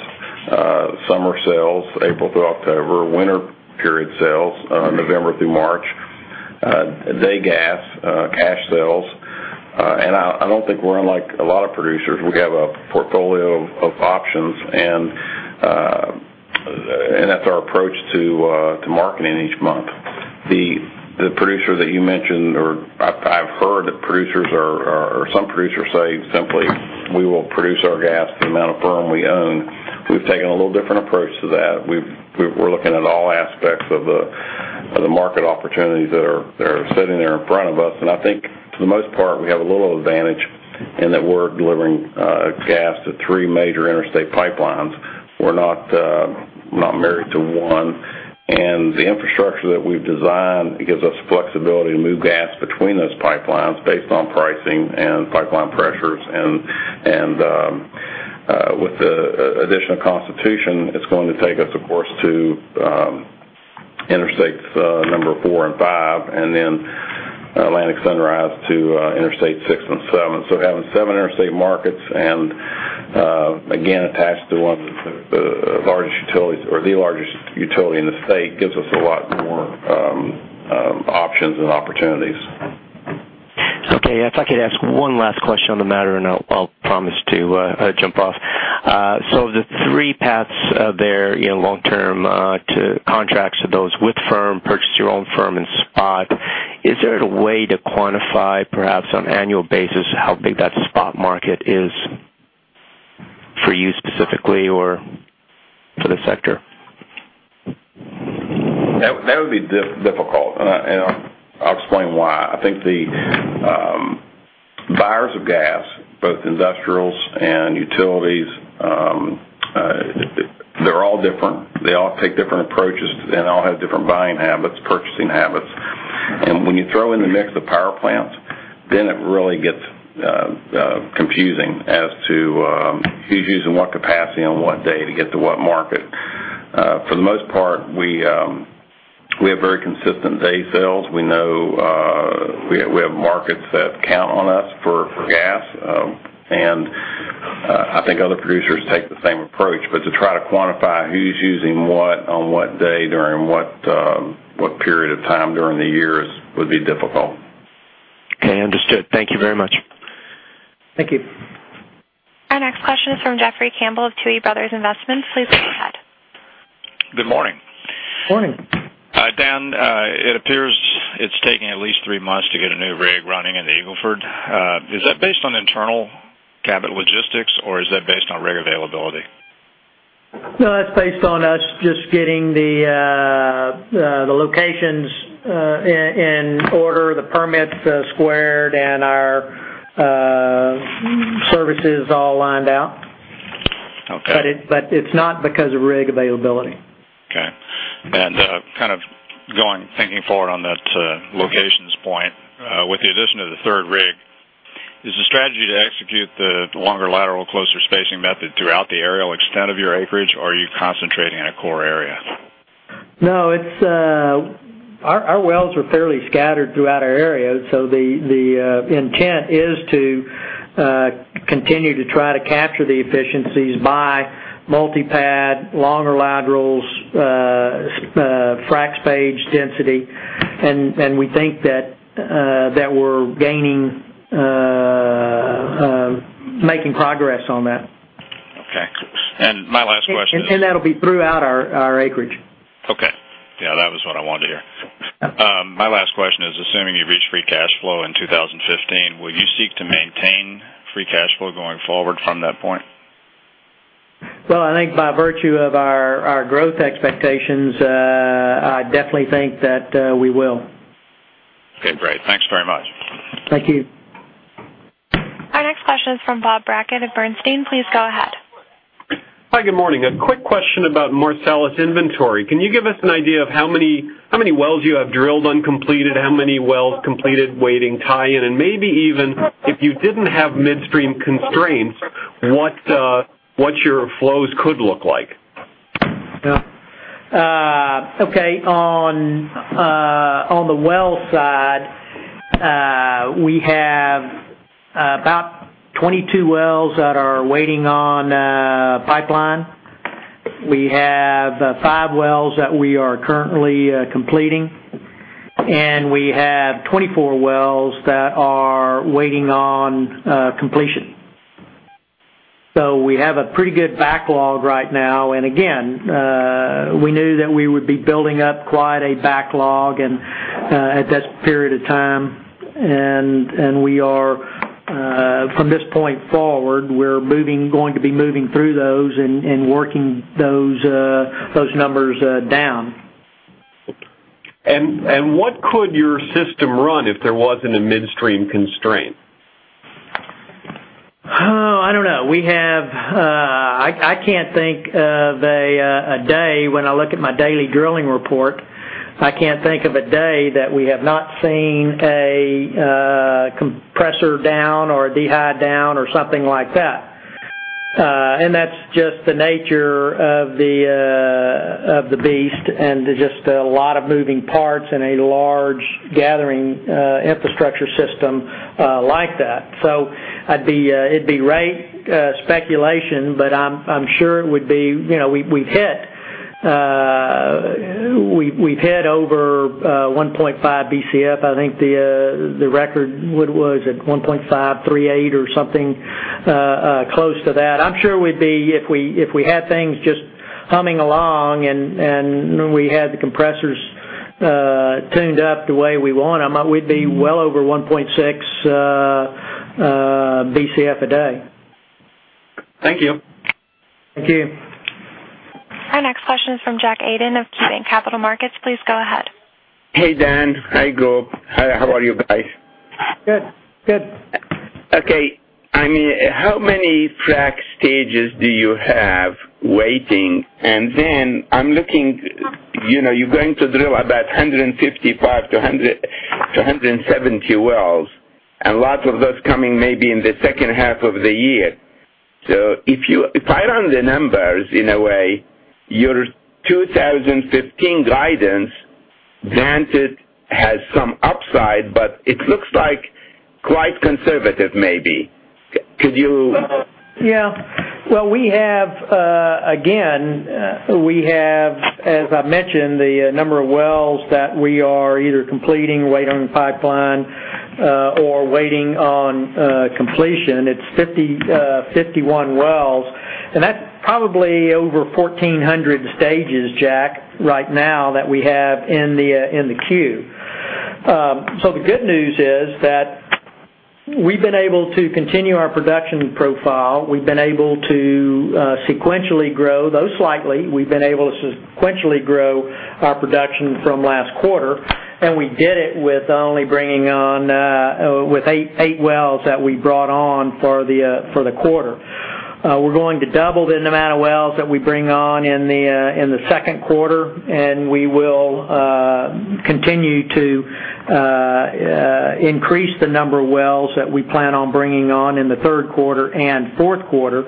Summer sales, April through October. Winter period sales, November through March. Day gas cash sales. I don't think we're unlike a lot of producers. We have a portfolio of options and that's our approach to marketing each month. The producer that you mentioned, or I've heard producers or some producers say simply, "We will produce our gas the amount of firm we own." We've taken a little different approach to that. We're looking at all aspects of the market opportunities that are sitting there in front of us. I think for the most part, we have a little advantage in that we're delivering gas to three major interstate pipelines. We're not married to one. The infrastructure that we've designed gives us flexibility to move gas between those pipelines based on pricing and pipeline pressures. With the additional Constitution, it's going to take us, of course, to Interstates 4 and 5, then Atlantic Sunrise to Interstate 6 and 7. Having seven interstate markets and, again, attached to one of the largest utilities, or the largest utility in the state, gives us a lot more options and opportunities. Okay. If I could ask one last question on the matter, and I'll promise to jump off. The three paths there, long-term to contracts to those with firm, purchase your own firm, and spot. Is there a way to quantify, perhaps on annual basis, how big that spot market is for you specifically or for the sector? That would be difficult, and I'll explain why. I think the buyers of gas, both industrials and utilities, they're all different. They all take different approaches to it and all have different buying habits, purchasing habits. When you throw in the mix the power plants, then it really gets confusing as to who's using what capacity on what day to get to what market. For the most part, we have very consistent day sales. We have markets that count on us for gas. I think other producers take the same approach. To try to quantify who's using what on what day during what period of time during the years would be difficult. Okay, understood. Thank you very much. Thank you. Our next question is from Jeffrey Campbell of Tuohy Brothers Investment Research. Please go ahead. Good morning. Morning. Dan, it appears it's taking at least three months to get a new rig running in the Eagle Ford. Is that based on internal capital logistics, or is that based on rig availability? That is based on us just getting the locations in order, the permits squared, and our services all lined out. Okay. It is not because of rig availability. Okay. Thinking forward on that locations point, with the addition of the third rig, is the strategy to execute the longer lateral, closer spacing method throughout the aerial extent of your acreage, or are you concentrating on a core area? Our wells are fairly scattered throughout our area, the intent is to continue to try to capture the efficiencies by multi-pad, longer laterals, frac stage density, and we think that we are making progress on that. Okay. My last question is. That'll be throughout our acreage. Okay. Yeah, that was what I wanted to hear. My last question is, assuming you reach free cash flow in 2015, will you seek to maintain free cash flow going forward from that point? Well, I think by virtue of our growth expectations, I definitely think that we will. Okay, great. Thanks very much. Thank you. Our next question is from Bob Brackett of Bernstein. Please go ahead. Hi, good morning. A quick question about Marcellus inventory. Can you give us an idea of how many wells you have drilled uncompleted, how many wells completed waiting tie-in, and maybe even if you didn't have midstream constraints, what your flows could look like? Yeah. Okay. On the well side, we have about 22 wells that are waiting on a pipeline. We have five wells that we are currently completing, and we have 24 wells that are waiting on completion. We have a pretty good backlog right now. Again, we knew that we would be building up quite a backlog at this period of time. From this point forward, we're going to be moving through those and working those numbers down. What could your system run if there wasn't a midstream constraint? Oh, I don't know. I can't think of a day when I look at my daily drilling report, I can't think of a day that we have not seen a compressor down or a dehy down or something like that. That's just the nature of the beast, and just a lot of moving parts in a large gathering infrastructure system like that. It'd be right speculation, but I'm sure we've hit over 1.5 Bcf. I think the record was at 1.538 or something close to that. I'm sure if we had things just humming along and we had the compressors tuned up the way we want them, we'd be well over 1.6 Bcf a day. Thank you. Thank you. Our next question is from David Deckelbaum of KeyBanc Capital Markets. Please go ahead. Hey, Dan. Hi, Scott. How are you guys? Good. Good. Okay. How many frac stages do you have waiting? I'm looking, you're going to drill about 155-170 wells, and lots of those coming maybe in the second half of the year. If I run the numbers in a way, your 2015 guidance, granted, has some upside, but it looks quite conservative, maybe. Could you- Yeah. Well, again, we have, as I mentioned, the number of wells that we are either completing, waiting on pipeline, or waiting on completion. It's 51 wells, and that's probably over 1,400 stages, David, right now that we have in the queue. The good news is that we've been able to continue our production profile. We've been able to sequentially grow, though slightly, our production from last quarter, and we did it with only bringing on with eight wells that we brought on for the quarter. We're going to double the amount of wells that we bring on in the second quarter, and we will continue to increase the number of wells that we plan on bringing on in the third quarter and fourth quarter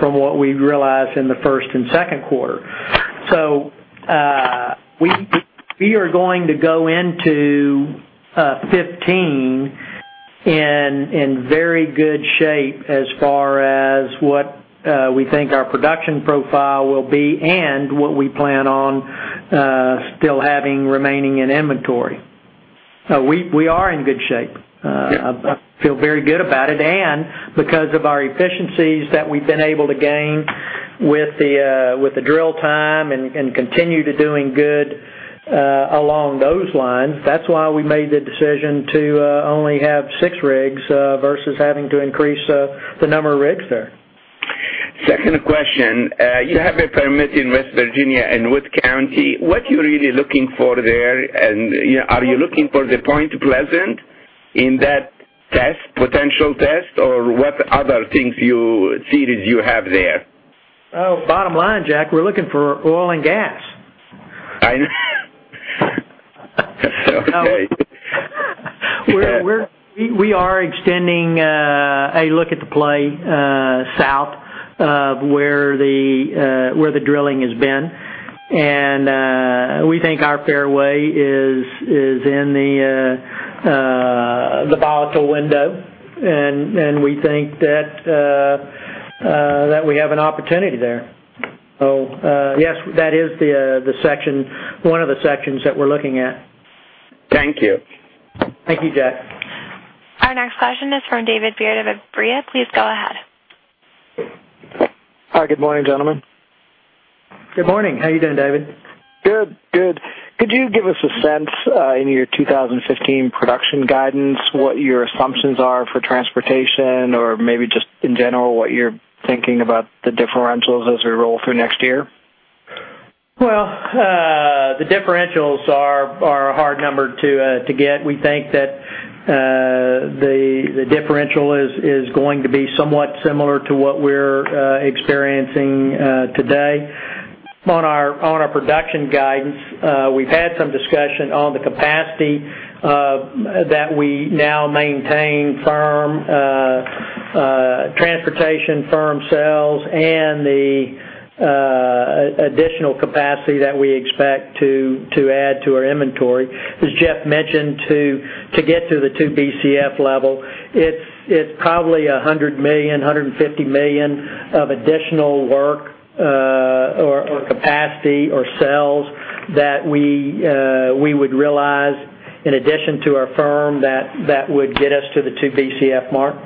from what we realize in the first and second quarter. We are going to go into 2015 in very good shape as far as what we think our production profile will be and what we plan on still having remaining in inventory. We are in good shape. Yeah. I feel very good about it. Because of our efficiencies that we've been able to gain with the drill time and continue to doing good along those lines, that's why we made the decision to only have six rigs versus having to increase the number of rigs there. Second question. You have a permit in West Virginia, in Wood County. What are you really looking for there, and are you looking for the Point Pleasant in that potential test, or what other things you see that you have there? Bottom line, Jack, we're looking for oil and gas. I know. Okay. We are extending a look at the play south of where the drilling has been, and we think our fairway is in the volatile window, and we think that we have an opportunity there. Yes, that is one of the sections that we're looking at. Thank you. Thank you, Jack. Our next question is from David Beard of Bria. Please go ahead. Hi. Good morning, gentlemen. Good morning. How you doing, David? Good. Could you give us a sense, in your 2015 production guidance, what your assumptions are for transportation or maybe just in general, what you're thinking about the differentials as we roll through next year? Well, the differentials are a hard number to get. We think that the differential is going to be somewhat similar to what we're experiencing today. On our production guidance, we've had some discussion on the capacity that we now maintain firm transportation, firm sales, and the additional capacity that we expect to add to our inventory. As Jeff mentioned, to get to the two Bcf level, it's probably 100 million, 150 million of additional work or capacity or sales that we would realize in addition to our firm that would get us to the two Bcf mark.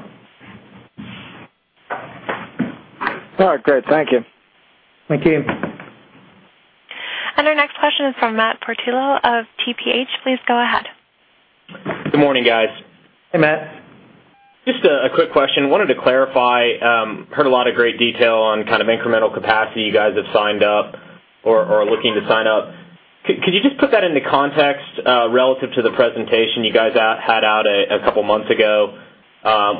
All right, great. Thank you. Thank you. Our next question is from Matt Portillo of TPH. Please go ahead. Good morning, guys. Hey, Matt. Just a quick question. I wanted to clarify, heard a lot of great detail on incremental capacity you guys have signed up or are looking to sign up. Could you just put that into context relative to the presentation you guys had out a couple of months ago,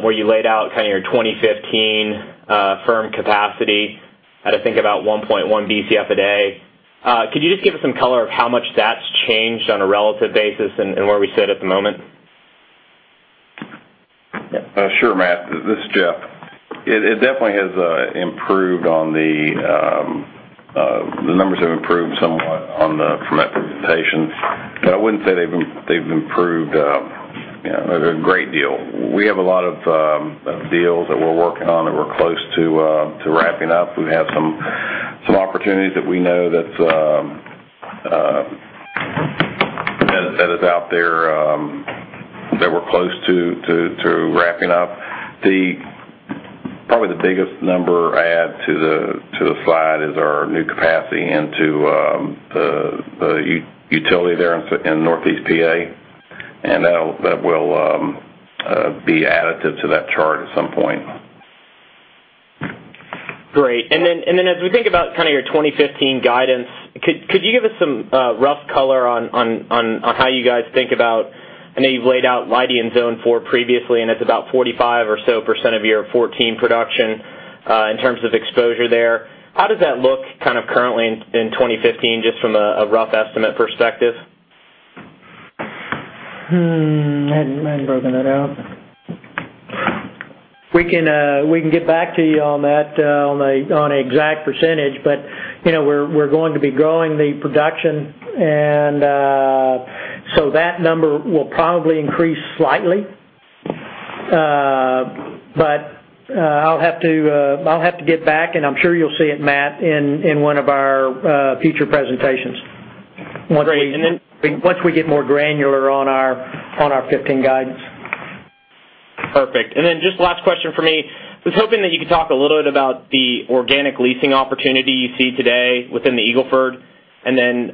where you laid out your 2015 firm capacity at, I think, about 1.1 Bcf a day. Could you just give us some color of how much that's changed on a relative basis and where we sit at the moment? Sure, Matt, this is Jeff. The numbers have improved somewhat from that presentation, but I wouldn't say they've improved a great deal. We have a lot of deals that we're working on that we're close to wrapping up. We have some opportunities that is out there that we're close to wrapping up. Probably the biggest number I add to the slide is our new capacity into the utility there in Northeast PA. That will be added to that chart at some point. Great. As we think about your 2015 guidance, could you give us some rough color on how you guys think about I know you've laid out Leidy Zone 4 previously, it's about 45% or so of your 2014 production in terms of exposure there. How does that look currently in 2015, just from a rough estimate perspective? I hadn't broken that out. We can get back to you on that, on an exact percentage. We're going to be growing the production, so that number will probably increase slightly. I'll have to get back, I'm sure you'll see it, Matt, in one of our future presentations. Great Once we get more granular on our 2015 guidance. Perfect. Just last question from me. I was hoping that you could talk a little bit about the organic leasing opportunity you see today within the Eagle Ford, and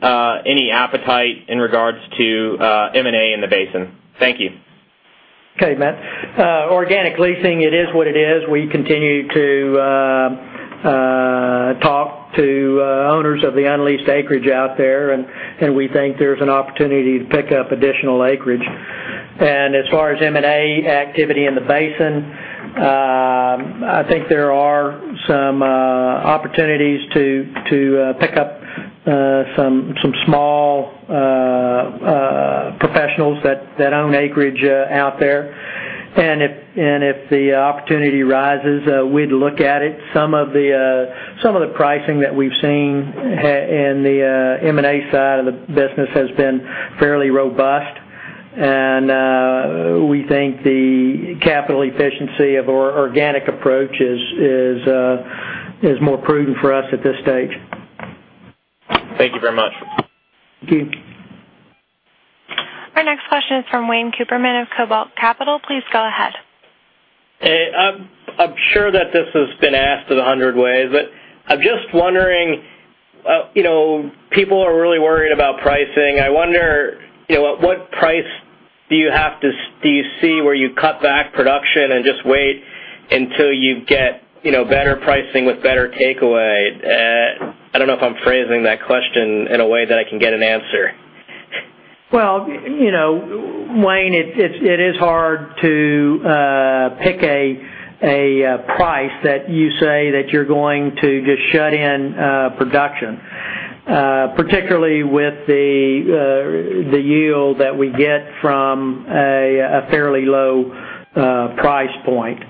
any appetite in regards to M&A in the basin. Thank you. Okay, Matt. Organic leasing, it is what it is. We continue to talk to owners of the unleased acreage out there, we think there's an opportunity to pick up additional acreage. As far as M&A activity in the basin, I think there are some opportunities to pick up some small professionals that own acreage out there. If the opportunity rises, we'd look at it. Some of the pricing that we've seen in the M&A side of the business has been fairly robust, and we think the capital efficiency of our organic approach is more prudent for us at this stage. Thank you very much. Thank you. Our next question is from Wayne Cooperman of Cobalt Capital. Please go ahead. I'm sure that this has been asked in 100 ways. I'm just wondering, people are really worried about pricing. I wonder, at what price do you see where you cut back production and just wait until you get better pricing with better takeaway? I don't know if I'm phrasing that question in a way that I can get an answer. Well, Wayne, it is hard to pick a price that you say that you're going to just shut in production, particularly with the yield that we get from a fairly low price point.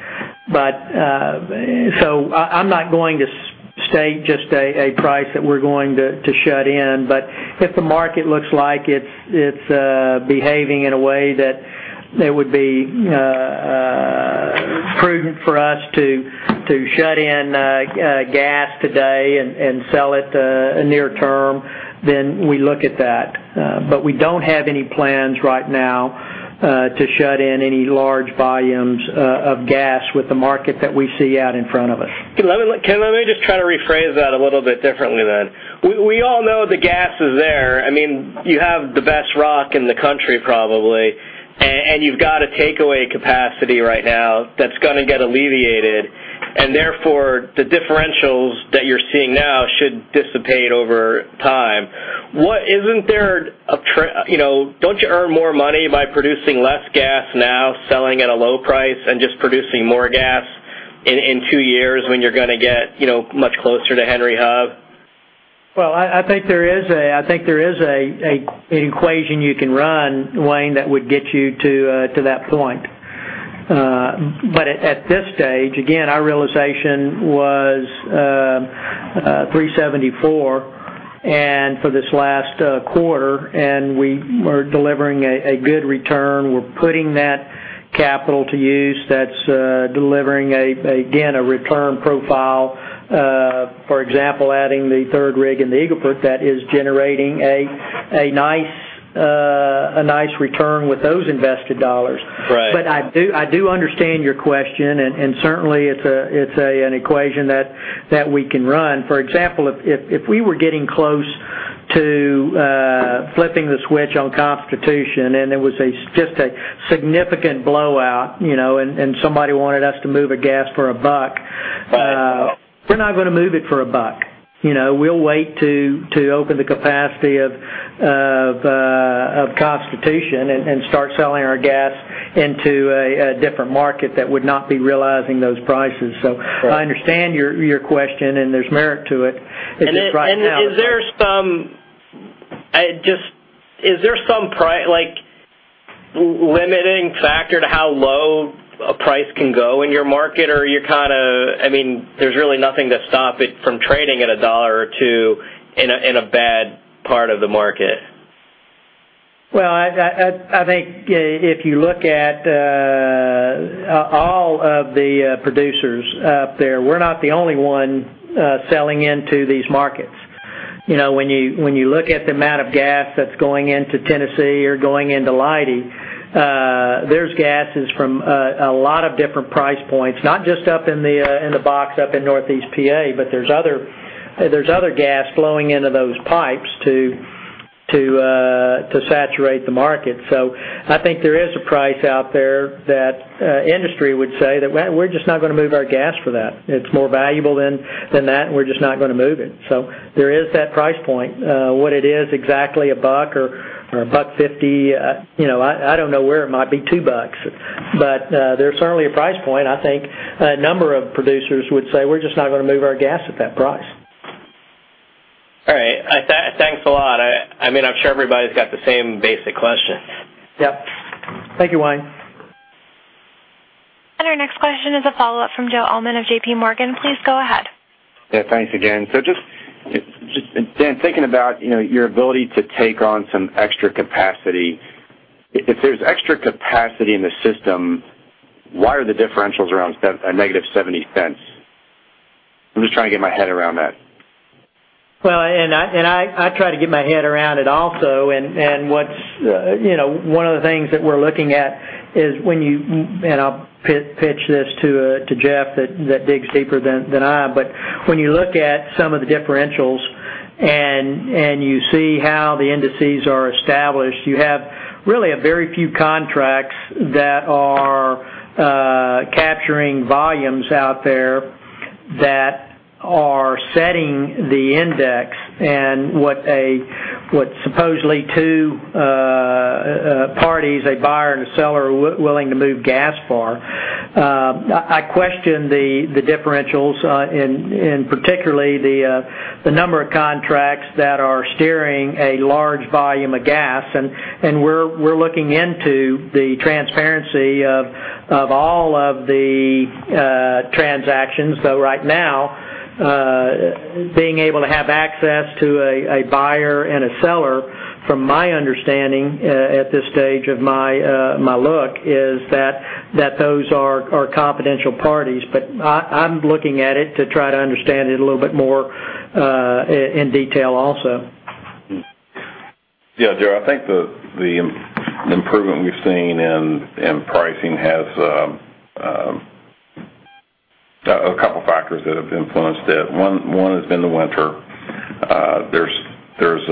I'm not going to state just a price that we're going to shut in. If the market looks like it's behaving in a way that it would be prudent for us to shut in gas today and sell it near term, then we look at that. We don't have any plans right now to shut in any large volumes of gas with the market that we see out in front of us. Dan, let me just try to rephrase that a little bit differently, then. We all know the gas is there. You have the best rock in the country, probably, and you've got a takeaway capacity right now that's going to get alleviated. Therefore, the differentials that you're seeing now should dissipate over time. Don't you earn more money by producing less gas now, selling at a low price, and just producing more gas in two years when you're going to get much closer to Henry Hub? I think there is an equation you can run, Wayne, that would get you to that point. At this stage, again, our realization was $3.74 for this last quarter, and we were delivering a good return. We're putting that capital to use that's delivering, again, a return profile. For example, adding the third rig in the Eagle Ford, that is generating a nice return with those invested dollars. Right. I do understand your question, and certainly it's an equation that we can run. For example, if we were getting close to flipping the switch on Constitution and it was just a significant blowout, and somebody wanted us to move a gas for $1. Right We're not going to move it for $1. We'll wait to open the capacity of Constitution and start selling our gas into a different market that would not be realizing those prices. I understand your question, and there's merit to it. Just right now. Is there some limiting factor to how low a price can go in your market? Or there's really nothing to stop it from trading at $1 or $2 in a bad part of the market? Well, I think if you look at all of the producers up there, we're not the only one selling into these markets. When you look at the amount of gas that's going into Tennessee or going into Leidy, there's gases from a lot of different price points, not just up in the box up in Northeast P.A., but there's other gas flowing into those pipes to saturate the market. I think there is a price out there that industry would say that we're just not going to move our gas for that. It's more valuable than that, and we're just not going to move it. There is that price point. What it is exactly, $1 or $1.50, I don't know where it might be $2. But there's certainly a price point. I think a number of producers would say, "We're just not going to move our gas at that price. All right. Thanks a lot. I'm sure everybody's got the same basic question. Yep. Thank you, Wayne. Our next question is a follow-up from Joe Allman of JPMorgan. Please go ahead. Yeah. Thanks again. Just, Dan, thinking about your ability to take on some extra capacity. If there's extra capacity in the system, why are the differentials around a negative $0.70? I'm just trying to get my head around that. Well, I try to get my head around it also, and one of the things that we're looking at is when you, and I'll pitch this to Jeff that digs deeper than I, but when you look at some of the differentials and you see how the indices are established, you have really a very few contracts that are capturing volumes out there that are setting the index and what supposedly two parties, a buyer and a seller, are willing to move gas for. I question the differentials, and particularly the number of contracts that are steering a large volume of gas, and we're looking into the transparency of all of the transactions, though right now being able to have access to a buyer and a seller, from my understanding at this stage of my look, is that those are confidential parties. I'm looking at it to try to understand it a little bit more in detail also. Yeah, Joe, I think the improvement we've seen in pricing has a couple of factors that have influenced it. One has been the winter. There's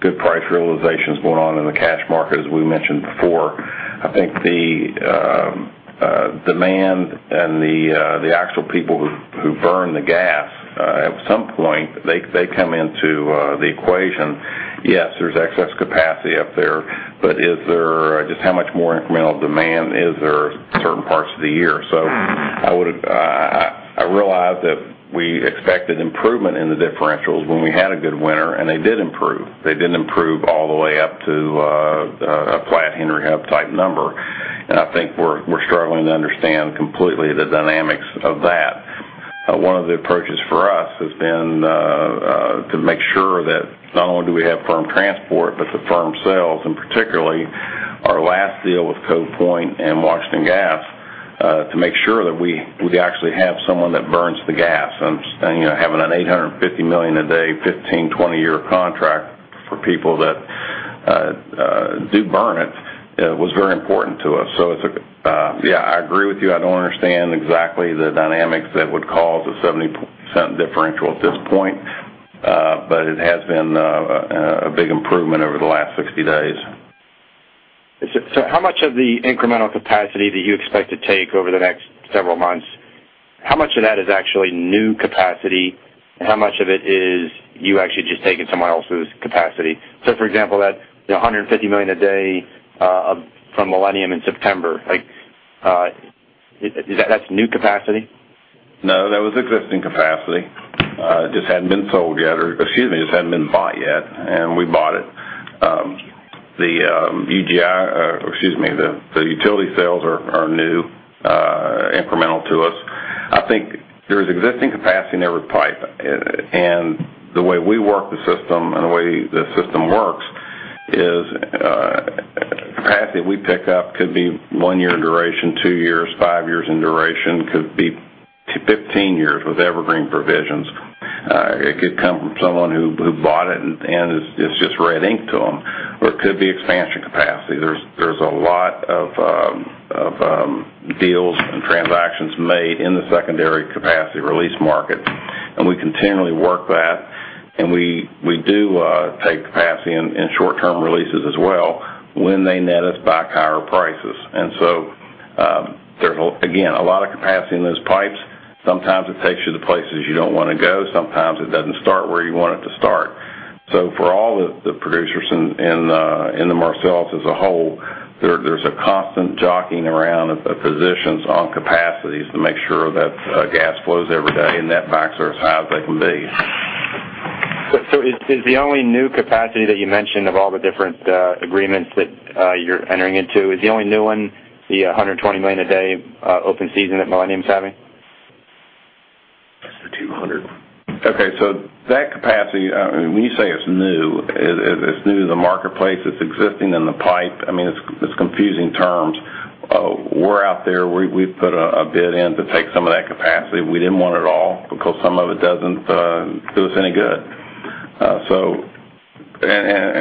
good price realizations going on in the cash market, as we mentioned before. I think the demand and the actual people who burn the gas, at some point, they come into the equation. Yes, there's excess capacity up there, but just how much more incremental demand is there certain parts of the year? I realize that we expected improvement in the differentials when we had a good winter, and they did improve. They didn't improve all the way up to a flat Henry Hub type number, and I think we're struggling to understand completely the dynamics of that. One of the approaches for us has been to make sure that not only do we have firm transport, but the firm sells, and particularly our last deal with Cove Point and Washington Gas, to make sure that we actually have someone that burns the gas. Having an $850 million a day, 15, 20 year contract for people that do burn it was very important to us. Yeah, I agree with you. I don't understand exactly the dynamics that would cause a $0.70 differential at this point. It has been a big improvement over the last 60 days. How much of the incremental capacity that you expect to take over the next several months, how much of that is actually new capacity? How much of it is you actually just taking someone else's capacity? For example, that 150 million a day from Millennium in September, that's new capacity? No, that was existing capacity. Just hadn't been bought yet, and we bought it. The utility sales are new, incremental to us. I think there's existing capacity in every pipe, and the way we work the system and the way the system works is capacity we pick up could be one year duration, two years, five years in duration, could be 15 years with evergreen provisions. It could come from someone who bought it and it's just red ink to them, or it could be expansion capacity. There's a lot of deals and transactions made in the secondary capacity release market, and we continually work that, and we do take capacity in short-term releases as well when they net us back higher prices. There's, again, a lot of capacity in those pipes. Sometimes it takes you to places you don't want to go. Sometimes it doesn't start where you want it to start. For all the producers in the Marcellus as a whole, there's a constant jockeying around of positions on capacities to make sure that gas flows every day and that backs are as high as they can be. Is the only new capacity that you mentioned of all the different agreements that you're entering into, is the only new one the $120 million a day open season that Millennium's having? It's the 200. Okay, that capacity, when you say it's new, it's new to the marketplace. It's existing in the pipe. It's confusing terms. We're out there. We put a bid in to take some of that capacity. We didn't want it all because some of it doesn't do us any good.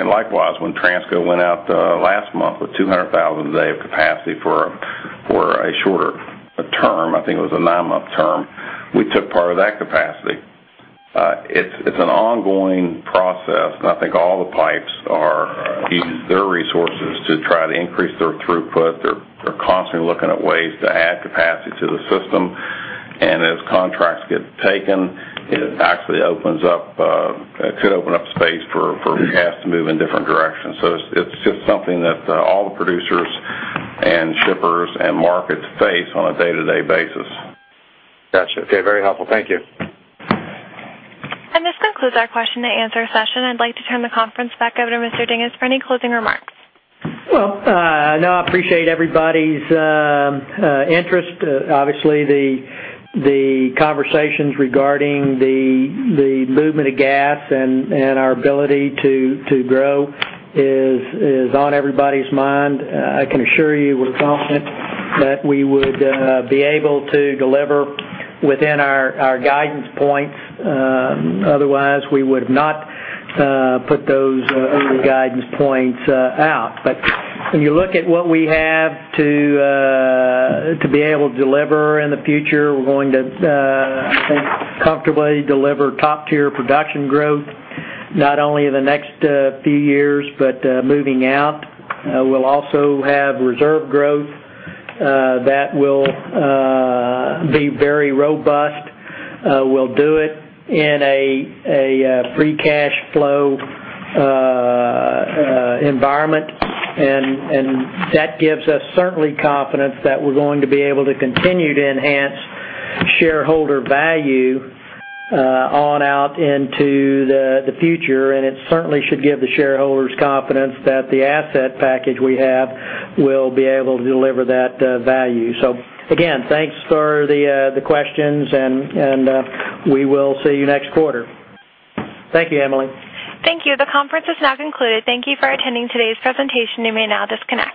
Likewise, when Transco went out last month with $200,000 a day of capacity for a shorter term, I think it was a nine-month term, we took part of that capacity. It's an ongoing process, I think all the pipes are using their resources to try to increase their throughput. They're constantly looking at ways to add capacity to the system. As contracts get taken, it could open up space for gas to move in different directions. It's just something that all the producers and shippers and markets face on a day-to-day basis. Got you. Okay. Very helpful. Thank you. This concludes our question and answer session. I'd like to turn the conference back over to Mr. Dinges for any closing remarks. No, I appreciate everybody's interest. Obviously, the conversations regarding the movement of gas and our ability to grow is on everybody's mind. I can assure you we're confident that we would be able to deliver within our guidance points. Otherwise, we would've not put those early guidance points out. When you look at what we have to be able to deliver in the future, we're going to, I think, comfortably deliver top-tier production growth, not only in the next few years, but moving out. We'll also have reserve growth that will be very robust. We'll do it in a free cash flow environment, and that gives us certainly confidence that we're going to be able to continue to enhance shareholder value on out into the future. It certainly should give the shareholders confidence that the asset package we have will be able to deliver that value. Again, thanks for the questions, we will see you next quarter. Thank you, Emily. Thank you. The conference is now concluded. Thank you for attending today's presentation. You may now disconnect.